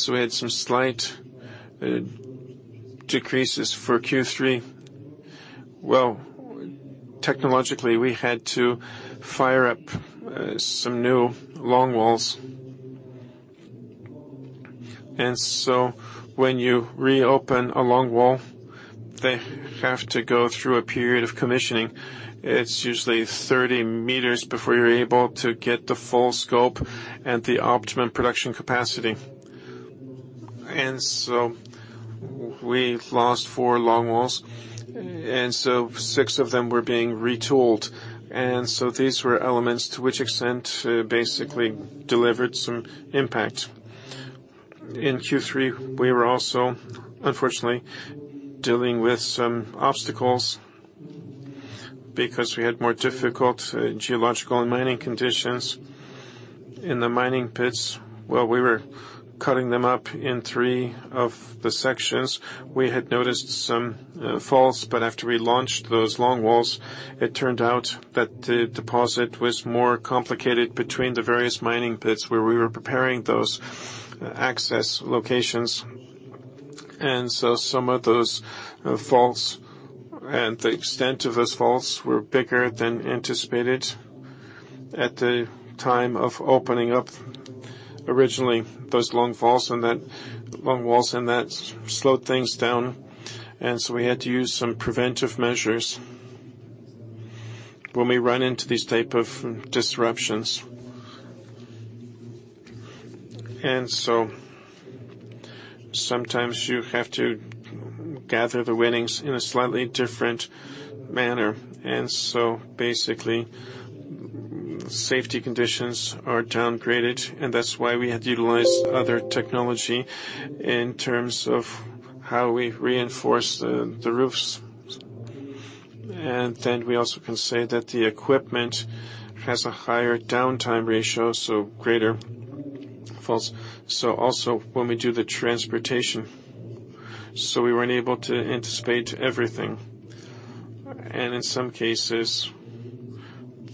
We had some slight decreases for Q3. Well, technologically, we had to fire up some new long walls. When you reopen a long wall, they have to go through a period of commissioning. It's usually 30 meters before you're able to get the full scope and the optimum production capacity. We lost four longwalls, and six of them were being retooled. These were elements to which extent basically delivered some impact. In Q3, we were also, unfortunately, dealing with some obstacles because we had more difficult geological and mining conditions in the mining pits. Well, we were cutting them up in three of the sections. We had noticed some faults, but after we launched those longwalls, it turned out that the deposit was more complicated between the various mining pits where we were preparing those access locations. Some of those faults and the extent of those faults were bigger than anticipated at the time of opening up originally those longwalls and that longwalls, and that slowed things down. We had to use some preventive measures when we run into these type of disruptions. Sometimes you have to gather the winnings in a slightly different manner. Basically safety conditions are downgraded, and that's why we had to utilize other technology in terms of how we reinforce the roofs. We also can say that the equipment has a higher downtime ratio, so greater faults. Also when we do the transportation, so we weren't able to anticipate everything. In some cases,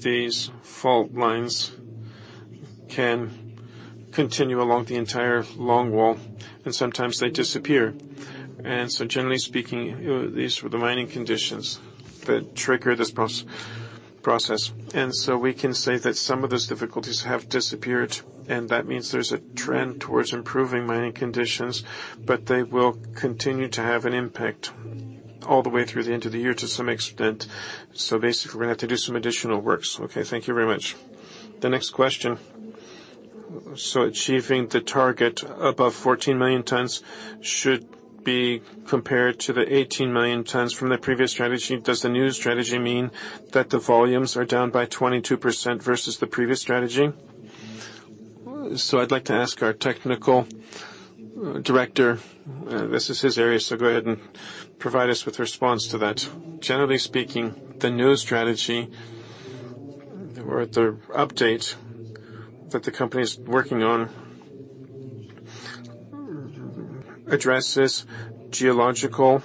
these fault lines can continue along the entire longwall, and sometimes they disappear. Generally speaking, these were the mining conditions that trigger this process. We can say that some of those difficulties have disappeared, and that means there's a trend towards improving mining conditions, but they will continue to have an impact all the way through the end of the year to some extent. Basically, we're gonna have to do some additional works. Okay. Thank you very much. The next question. Achieving the target above 14 million tons should be compared to the 18 million tons from the previous strategy. Does the new strategy mean that the volumes are down by 22% versus the previous strategy? I'd like to ask our technical director. This is his area, so go ahead and provide us with response to that. Generally speaking, the new strategy or the update that the company is working on addresses geological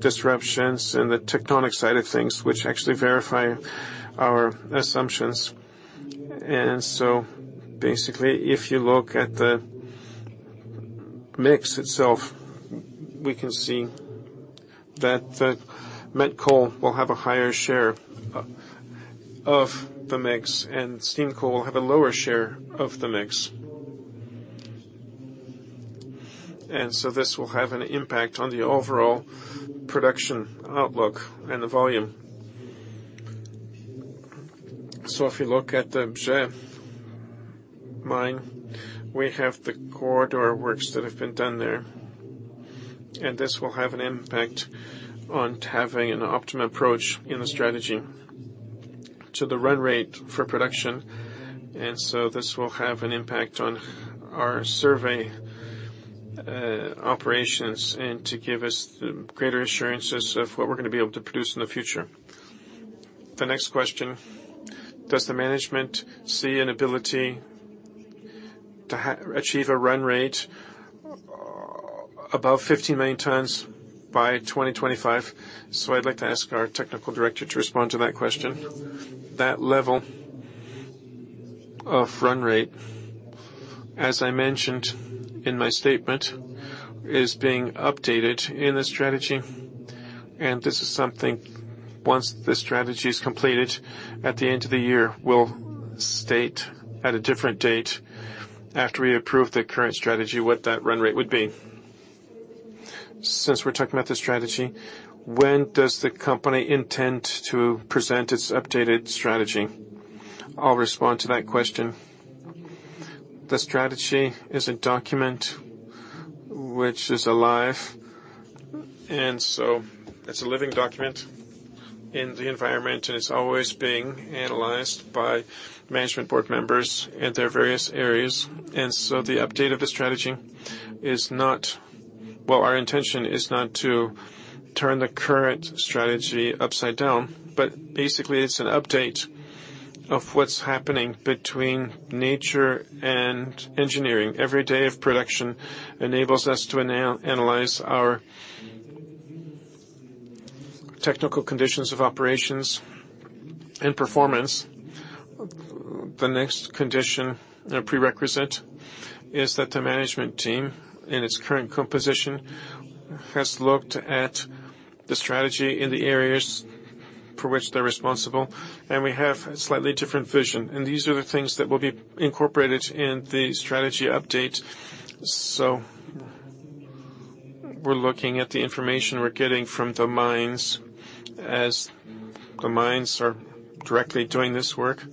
disruptions in the tectonic side of things, which actually verify our assumptions. Basically, if you look at the mix itself, we can see that the met coal will have a higher share of the mix, and steam coal will have a lower share of the mix. This will have an impact on the overall production outlook and the volume. If you look at the Obiekt mine, we have the corridor works that have been done there, and this will have an impact on having an optimum approach in the strategy to the run rate for production. This will have an impact on our JSW operations and to give us greater assurances of what we're gonna be able to produce in the future. The next question: Does the management see an ability to achieve a run rate above 50 million tons by 2025? I'd like to ask our technical director to respond to that question. That level of run rate, as I mentioned in my statement, is being updated in the strategy. This is something, once the strategy is completed at the end of the year, we'll state at a different date after we approve the current strategy, what that run rate would be. Since we're talking about the strategy, when does the company intend to present its updated strategy? I'll respond to that question. The strategy is a document which is alive, and so it's a living document in the environment, and it's always being analyzed by management board members in their various areas. The update of the strategy is not. Well, our intention is not to turn the current strategy upside down, but basically it's an update of what's happening between nature and engineering. Every day of production enables us to analyze our technical conditions of operations and performance. The next condition, prerequisite is that the management team in its current composition has looked at the strategy in the areas for which they're responsible, and we have a slightly different vision. These are the things that will be incorporated in the strategy update. We're looking at the information we're getting from the mines as the mines are directly doing this work.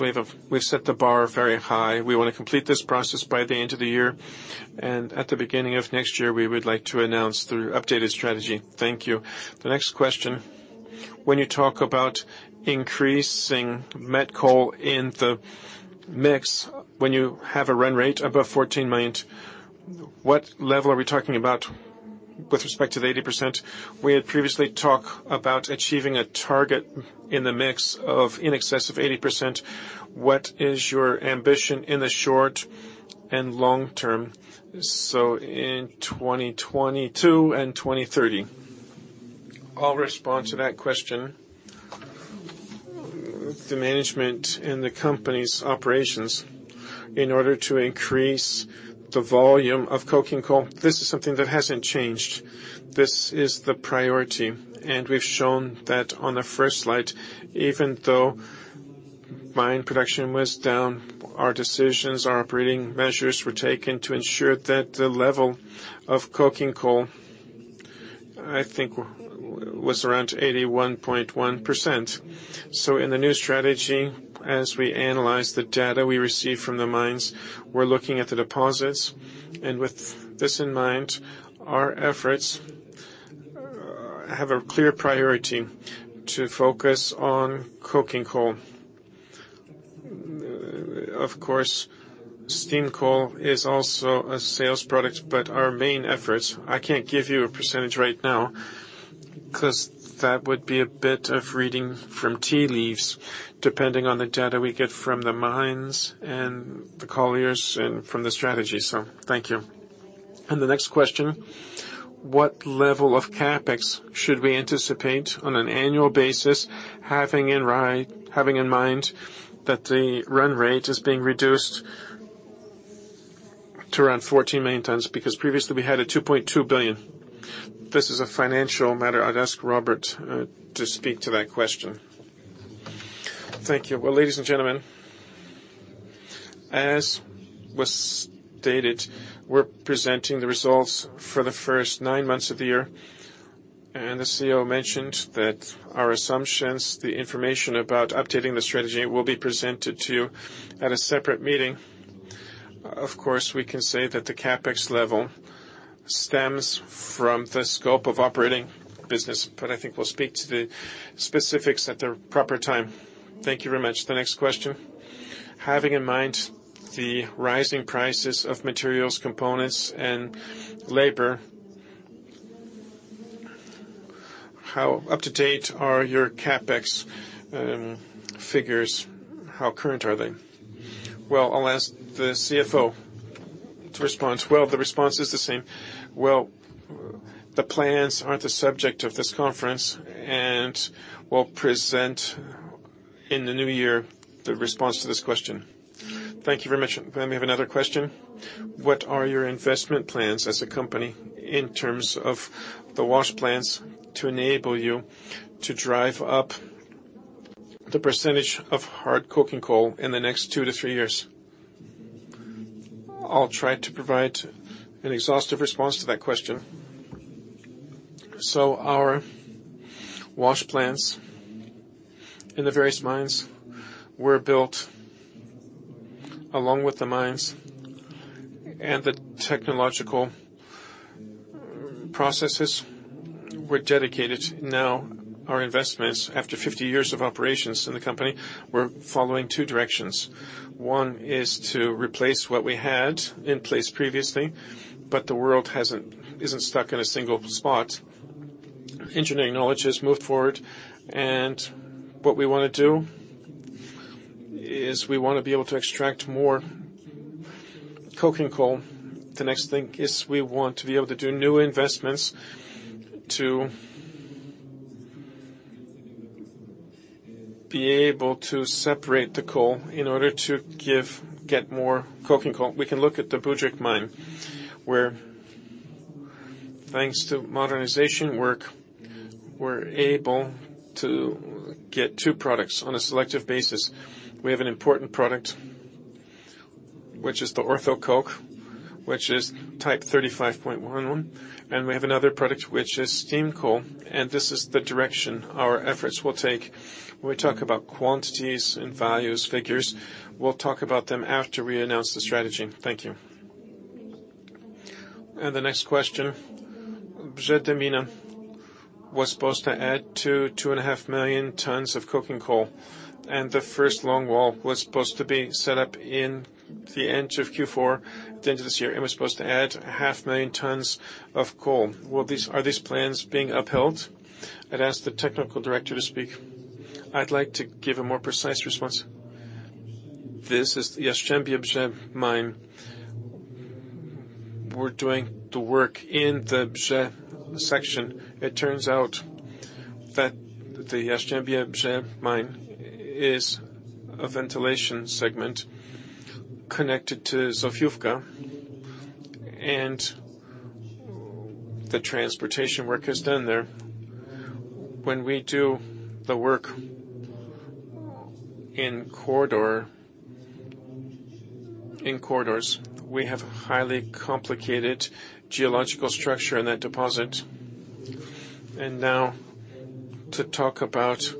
We have, we've set the bar very high. We wanna complete this process by the end of the year, and at the beginning of next year, we would like to announce the updated strategy. Thank you. The next question: When you talk about increasing met coal in the mix, when you have a run rate above 14 million, what level are we talking about with respect to the 80%? We had previously talked about achieving a target in the mix of in excess of 80%. What is your ambition in the short and long term? In 2022 and 2030. I'll respond to that question. The management and the company's operations in order to increase the volume of coking coal, this is something that hasn't changed. This is the priority, and we've shown that on the first slide. Even though mine production was down, our decisions, our operating measures were taken to ensure that the level of coking coal, I think was around 81.1%. In the new strategy, as we analyze the data we receive from the mines, we're looking at the deposits. With this in mind, our efforts have a clear priority to focus on coking coal. Of course, steam coal is also a sales product, but our main efforts, I can't give you a percentage right now 'cause that would be a bit of reading from tea leaves, depending on the data we get from the mines and the colliers and from the strategy. Thank you. The next question. What level of CapEx should we anticipate on an annual basis, having in mind that the run rate is being reduced to around 14 million tons? Because previously we had 2.2 billion. This is a financial matter. I'd ask Robert to speak to that question. Thank you. Well, ladies and gentlemen, as was stated, we're presenting the results for the first nine months of the year. The CEO mentioned that our assumptions, the information about updating the strategy will be presented to you at a separate meeting. Of course, we can say that the CapEx level stems from the scope of operating business, but I think we'll speak to the specifics at the proper time. Thank you very much. The next question. Having in mind the rising prices of materials, components, and labor. How up-to-date are your CapEx figures? How current are they? Well, I'll ask the CFO to respond. Well, the response is the same. Well, the plans aren't the subject of this conference, and we'll present in the new year the response to this question. Thank you very much. We have another question. What are your investment plans as a company in terms of the wash plants to enable you to drive up the percentage of hard coking coal in the next two to three years? I'll try to provide an exhaustive response to that question. Our wash plants in the various mines were built along with the mines, and the technological processes were dedicated. Now, our investments, after 50 years of operations in the company, we're following two directions. One is to replace what we had in place previously, but the world isn't stuck in a single spot. Engineering knowledge has moved forward, and what we wanna do is we wanna be able to extract more coking coal. The next thing is we want to be able to do new investments to be able to separate the coal in order to get more coking coal. We can look at the Budryk Mine, where thanks to modernization work, we're able to get two products on a selective basis. We have an important product, which is the ortho coke, which is type 35.11, and we have another product which is steam coal, and this is the direction our efforts will take. When we talk about quantities and values, figures, we'll talk about them after we announce the strategy. Thank you. The next question. Brzetemina was supposed to add 2-2.5 million tons of coking coal, and the first longwall was supposed to be set up in the end of Q4 at the end of this year, and was supposed to add 0.5 million tons of coal. Are these plans being upheld? I'd ask the technical director to speak. I'd like to give a more precise response. This is Jastrzębie-Brzez mine. We're doing the work in the Brzez section. It turns out that the Jastrzębie-Brzez mine is a ventilation segment connected to Zofiówka, and the transportation work is done there. When we do the work in corridor, in corridors, we have highly complicated geological structure in that deposit. Now to talk about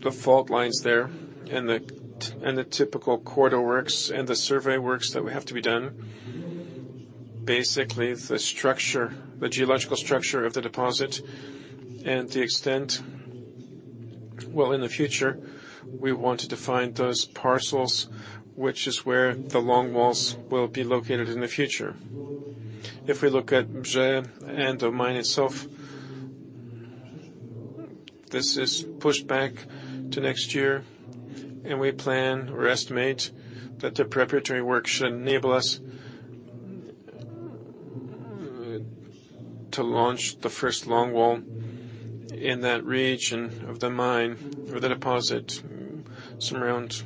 the fault lines there and the typical corridor works and the survey works that will have to be done. Basically, the structure, the geological structure of the deposit and the extent. Well, in the future, we want to define those parcels, which is where the long walls will be located in the future. If we look at Brzez and the mine itself, this is pushed back to next year, and we plan or estimate that the preparatory work should enable us to launch the first longwall in that region of the mine or the deposit somewhere around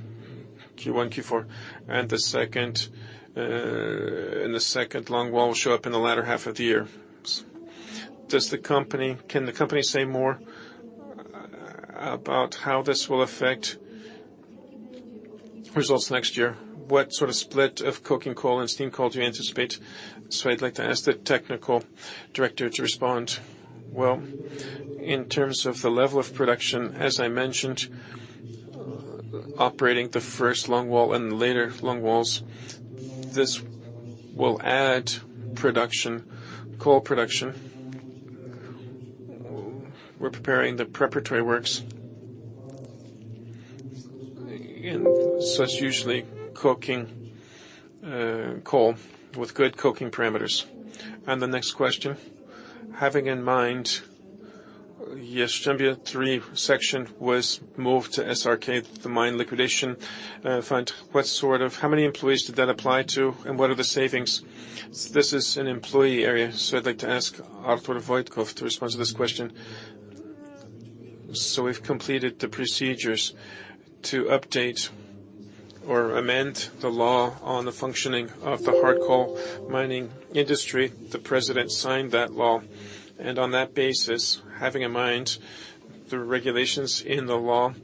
Q1, Q4, and the second longwall will show up in the latter half of the year. Can the company say more about how this will affect results next year? What sort of split of coking coal and steam coal do you anticipate? I'd like to ask the technical director to respond. Well, in terms of the level of production, as I mentioned, operating the first longwall and the later longwalls, this will add production, coal production. We're preparing the preparatory works. It's usually coking coal with good coking parameters. The next question. Having in mind Jas-Mos was moved to SRK, the mine liquidation fund, how many employees did that apply to, and what are the savings? This is an employee area, so I'd like to ask Artur Wojtków to respond to this question. We've completed the procedures to update or amend the law on the functioning of the hard coal mining industry. The president signed that law. On that basis, having in mind the regulations in the law,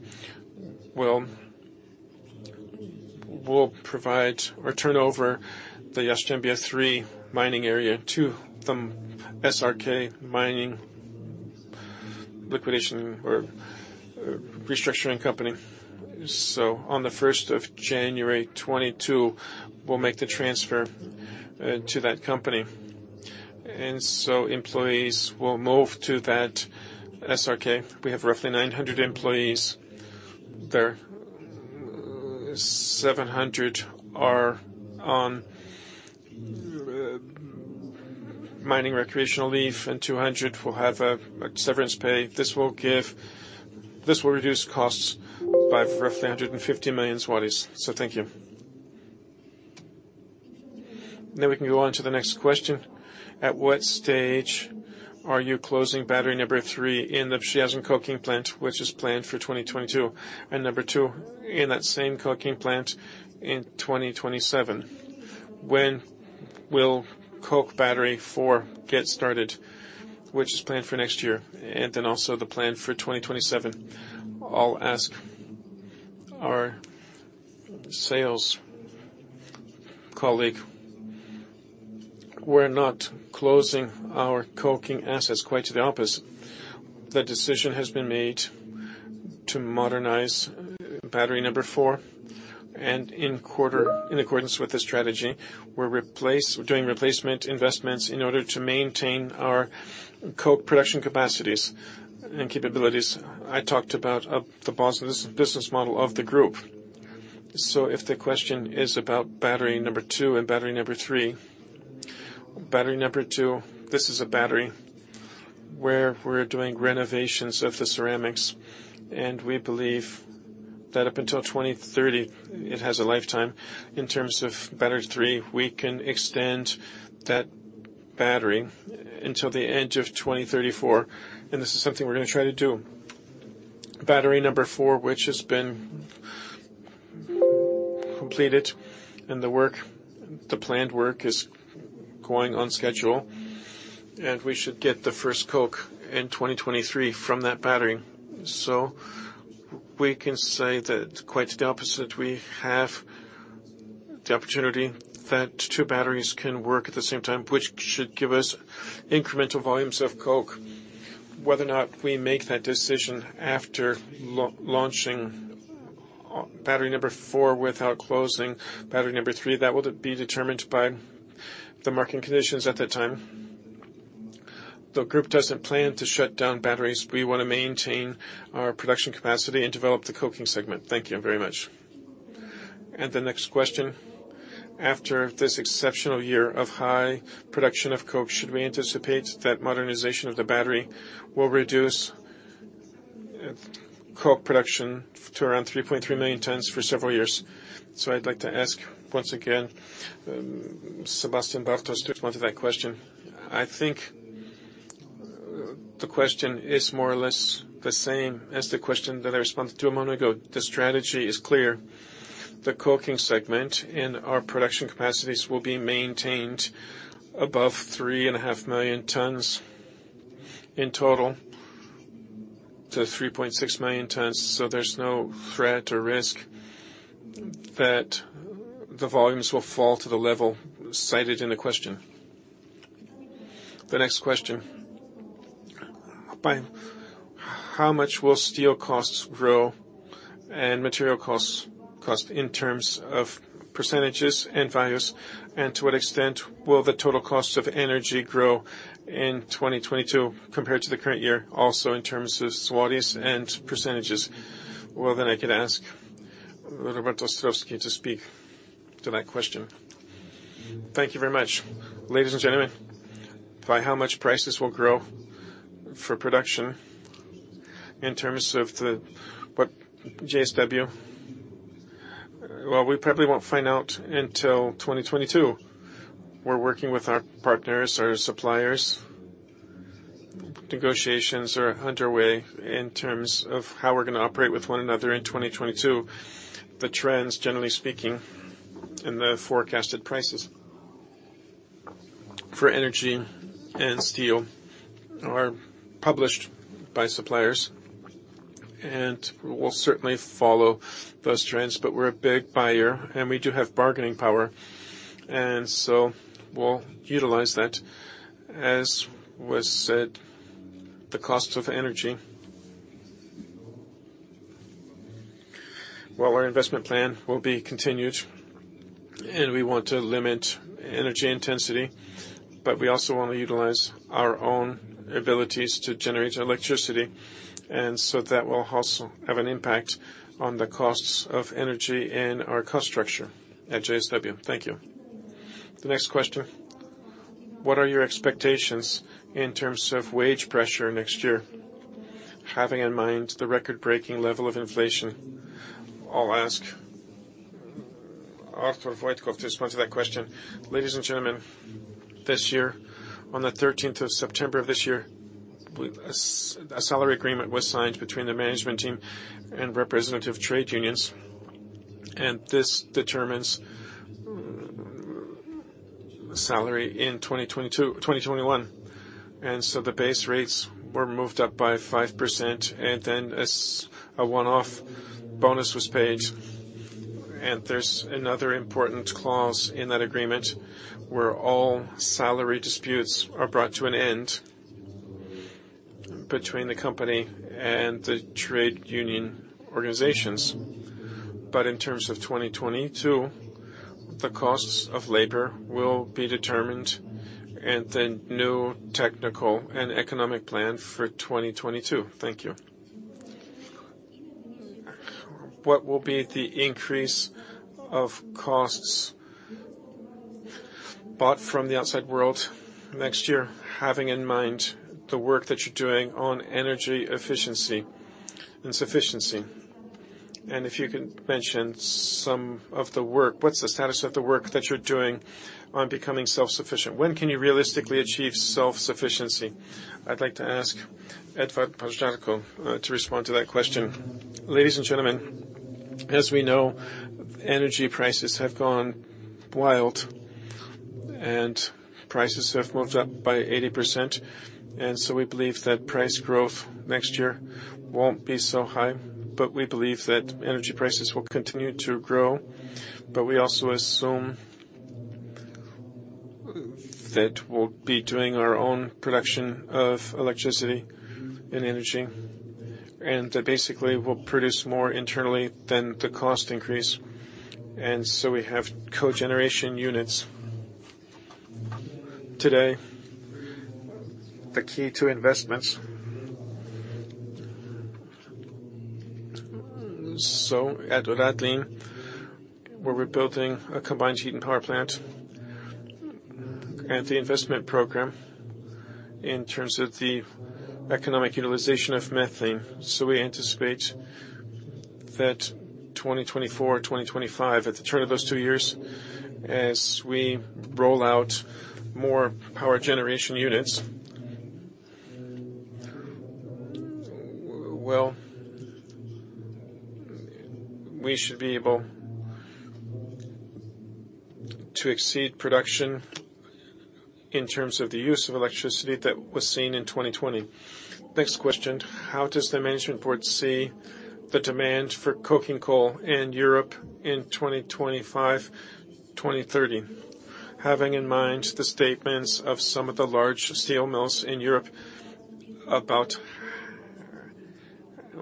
we'll provide or turn over the Jas-Mos to the SRK mining liquidation or restructuring company. On the first of January 2022, we'll make the transfer to that company. Employees will move to that SRK. We have roughly 900 employees there. 700 are on mining recreational leave and 200 will have a severance pay. This will reduce costs by roughly 150 million zlotys. Thank you. We can go on to the next question. At what stage are you closing battery number three in the Szczecin coking plant, which is planned for 2022, and number 2 in that same coking plant in 2027? When will coke battery 4 get started, which is planned for next year? Then also the plan for 2027. I'll ask our sales colleague. We're not closing our coking assets quite the opposite. The decision has been made to modernize battery number 4 and in accordance with the strategy, we're doing replacement investments in order to maintain our coke production capacities and capabilities. I talked about the business model of the group. If the question is about battery number two and battery number three. Battery number two, this is a battery where we're doing renovations of the ceramics, and we believe that up until 2030, it has a lifetime. In terms of battery three, we can extend that battery until the end of 2034, and this is something we're going to try to do. Battery number four, which has been completed and the planned work is going on schedule, and we should get the first coke in 2023 from that battery. We can say that quite the opposite, we have the opportunity that two batteries can work at the same time, which should give us incremental volumes of coke. Whether or not we make that decision after launching battery number four without closing battery number three, that will be determined by the market conditions at that time. The group doesn't plan to shut down batteries. We want to maintain our production capacity and develop the coking segment. Thank you very much. The next question. After this exceptional year of high production of coke, should we anticipate that modernization of the battery will reduce coke production to around 3.3 million tons for several years? I'd like to ask once again, Sebastian Bartos to answer that question. I think the question is more or less the same as the question that I responded to a moment ago. The strategy is clear. The coking segment in our production capacities will be maintained above 3.5 million tons in total to 3.6 million tons. There's no threat or risk that the volumes will fall to the level cited in the question. The next question. By how much will steel costs grow and material costs, cost in terms of percentages and values, and to what extent will the total cost of energy grow in 2022 compared to the current year, also in terms of złoty and percentages? Well, then I could ask Robert Ostrowski to speak to that question. Thank you very much. Ladies and gentlemen, by how much prices will grow for production in terms of the, what JSW? Well, we probably won't find out until 2022. We're working with our partners, our suppliers. Negotiations are underway in terms of how we're going to operate with one another in 2022. The trends, generally speaking, in the forecasted prices for energy and steel are published by suppliers, and we'll certainly follow those trends, but we're a big buyer, and we do have bargaining power, and so we'll utilize that. As was said, the cost of energy, well, our investment plan will be continued, and we want to limit energy intensity, but we also want to utilize our own abilities to generate electricity, and so that will also have an impact on the costs of energy and our cost structure at JSW. Thank you. The next question. What are your expectations in terms of wage pressure next year, having in mind the record-breaking level of inflation? I'll ask Artur Wojtków to respond to that question. Ladies and gentlemen, this year, on the 13 September of this year, a salary agreement was signed between the management team and representative trade unions, and this determines salary in 2021. The base rates were moved up by 5%, and then a one-off bonus was paid. There's another important clause in that agreement where all salary disputes are brought to an end between the company and the trade union organizations. In terms of 2022, the costs of labor will be determined and the new technical and economic plan for 2022. Thank you. What will be the increase of costs bought from the outside world next year, having in mind the work that you're doing on energy efficiency and sufficiency? If you can mention some of the work, what's the status of the work that you're doing on becoming self-sufficient? When can you realistically achieve self-sufficiency? I'd like to ask Edward Paździorko to respond to that question. Ladies and gentlemen, as we know, energy prices have gone wild and prices have moved up by 80%. We believe that price growth next year won't be so high, but we believe that energy prices will continue to grow. We also assume that we'll be doing our own production of electricity and energy, and that basically we'll produce more internally than the cost increase. We have cogeneration units today, the key to investments. At Radlin, where we're building a combined heat and power plant, and the investment program in terms of the economic utilization of methane. We anticipate that 2024, 2025, at the turn of those two years, as we roll out more power generation units, well, we should be able to exceed production in terms of the use of electricity that was seen in 2020. Next question. How does the Management Board see the demand for coking coal in Europe in 2025, 2030? Having in mind the statements of some of the large steel mills in Europe about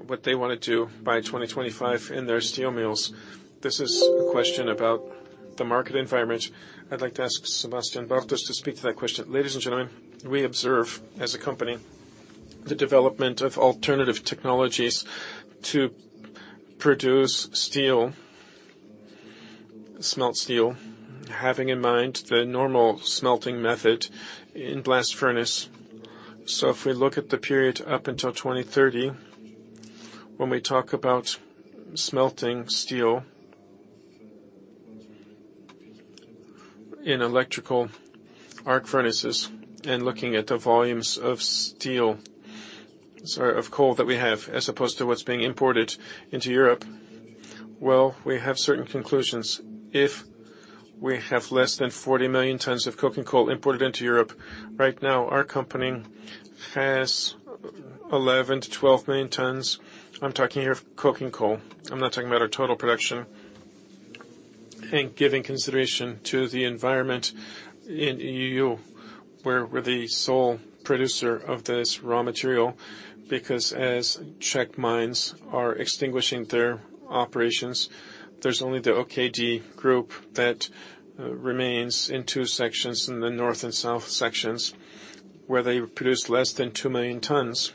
what they wanna do by 2025 in their steel mills. This is a question about the market environment. I'd like to ask Sebastian Bartos to speak to that question. Ladies and gentlemen, we observe as a company, the development of alternative technologies to produce steel, smelt steel, having in mind the normal smelting method in blast furnace. If we look at the period up until 2030, when we talk about smelting steel in electric arc furnaces and looking at the volumes of steel, sorry, of coal that we have, as opposed to what's being imported into Europe, well, we have certain conclusions. If we have less than 40 million tons of coking coal imported into Europe. Right now, our company has 11-12 million tons. I'm talking here of coking coal. I'm not talking about our total production. Giving consideration to the environment in EU, we're the sole producer of this raw material because as Czech mines are extinguishing their operations, there's only the OKD Group that remains in two sections in the north and south sections, where they produce less than 2 million tons.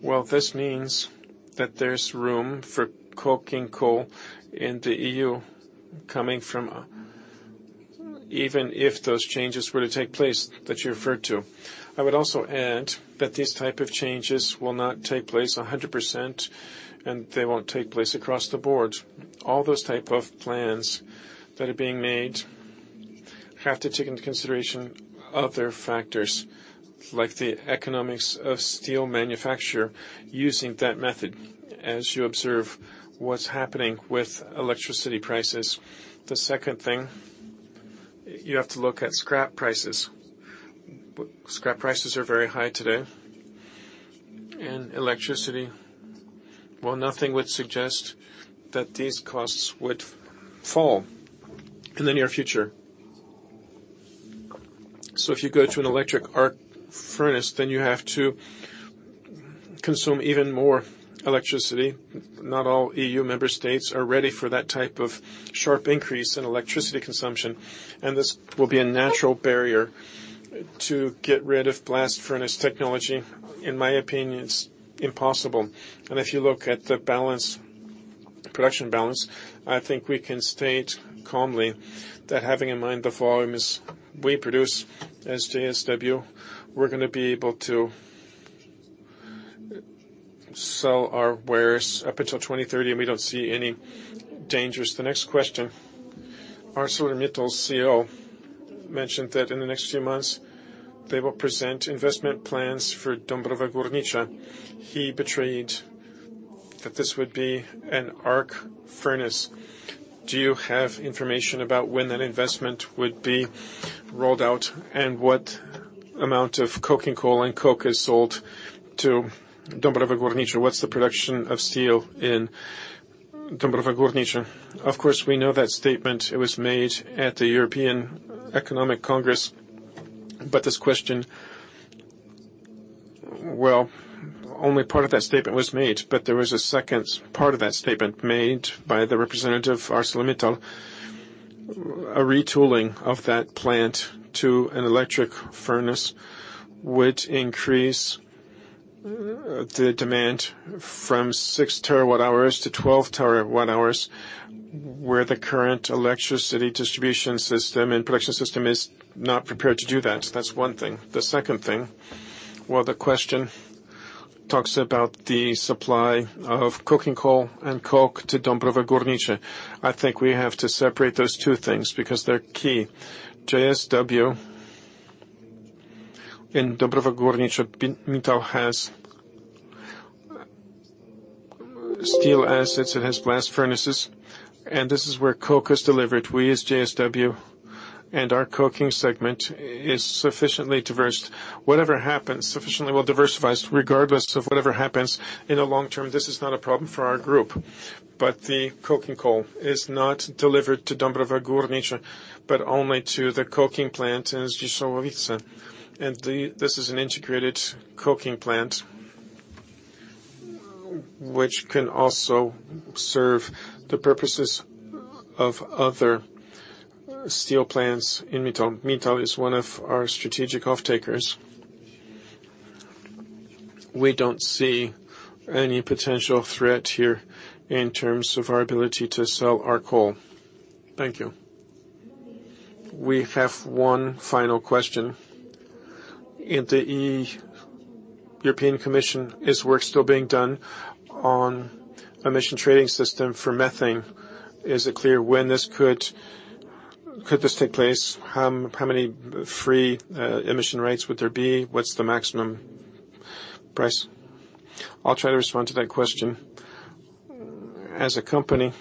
Well, this means that there's room for coking coal in the EU coming from, even if those changes were to take place that you referred to. I would also add that these type of changes will not take place 100%, and they won't take place across the board. All those type of plans that are being made have to take into consideration other factors like the economics of steel manufacture using that method as you observe what's happening with electricity prices. The second thing, you have to look at scrap prices. Scrap prices are very high today. And electricity, well, nothing would suggest that these costs would fall in the near future. If you go to an electric arc furnace, then you have to consume even more electricity. Not all EU member states are ready for that type of sharp increase in electricity consumption, and this will be a natural barrier to get rid of blast furnace technology. In my opinion, it's impossible. If you look at the balance, production balance, I think we can state calmly that having in mind the volumes we produce as JSW, we're gonna be able to sell our wares up until 2030, and we don't see any dangers. The next question. ArcelorMittal CEO mentioned that in the next few months, they will present investment plans for Dąbrowa Górnicza. He stated that this would be an arc furnace. Do you have information about when that investment would be rolled out, and what amount of coking coal and coke is sold to Dąbrowa Górnicza? What's the production of steel in Dąbrowa Górnicza? Of course, we know that statement. It was made at the European Economic Congress. This question, well, only part of that statement was made, but there was a second part of that statement made by the representative of ArcelorMittal. A retooling of that plant to an electric furnace would increase the demand from 6 terawatt hours to 12 terawatt hours, where the current electricity distribution system and production system is not prepared to do that. That's one thing. The second thing, well, the question talks about the supply of coking coal and coke to Dąbrowa Górnicza. I think we have to separate those two things because they're key. JSW in Dąbrowa Górnicza, Mittal has steel assets, it has blast furnaces, and this is where coke is delivered. We as JSW and our coking segment is sufficiently diversified. Whatever happens, sufficiently well-diversified regardless of whatever happens in the long term, this is not a problem for our group. The coking coal is not delivered to Dąbrowa Górnicza, but only to the coking plant in Zdzieszowice. This is an integrated coking plant which can also serve the purposes of other steel plants in Mittal. Mittal is one of our strategic off-takers. We don't see any potential threat here in terms of our ability to sell our coal. Thank you. We have one final question. In the European Commission, is work still being done on Emissions Trading System for methane? Is it clear when this could take place? How many free emission rates would there be? What's the maximum price? I'll try to respond to that question. As a company,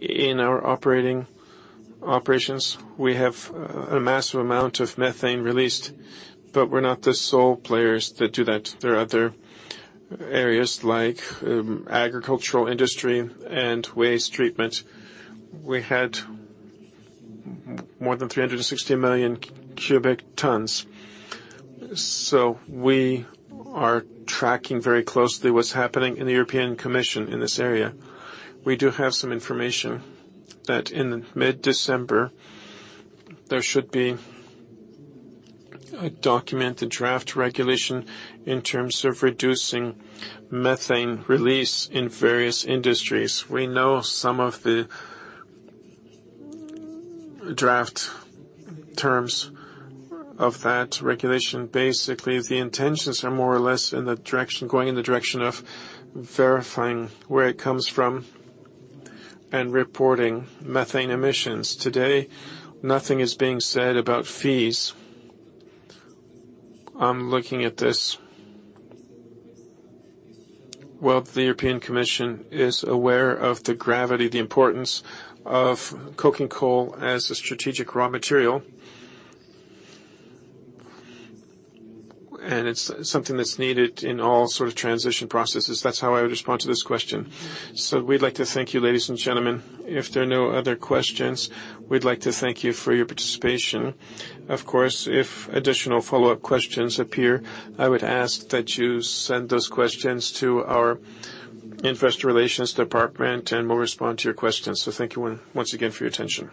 in our operating operations, we have a massive amount of methane released, but we're not the sole players that do that. There are other areas like, agricultural industry and waste treatment. We had more than 360 million cubic meters. We are tracking very closely what's happening in the European Commission in this area. We do have some information that in mid-December, there should be a document, a draft regulation in terms of reducing methane release in various industries. We know some of the draft terms of that regulation. Basically, the intentions are more or less in the direction, going in the direction of verifying where it comes from and reporting methane emissions. Today, nothing is being said about fees. I'm looking at this. Well, the European Commission is aware of the gravity, the importance of coking coal as a strategic raw material. It's something that's needed in all sort of transition processes. That's how I would respond to this question. We'd like to thank you, ladies and gentlemen. If there are no other questions, we'd like to thank you for your participation. Of course, if additional follow-up questions appear, I would ask that you send those questions to our investor relations department, and we'll respond to your questions. Thank you once again for your attention.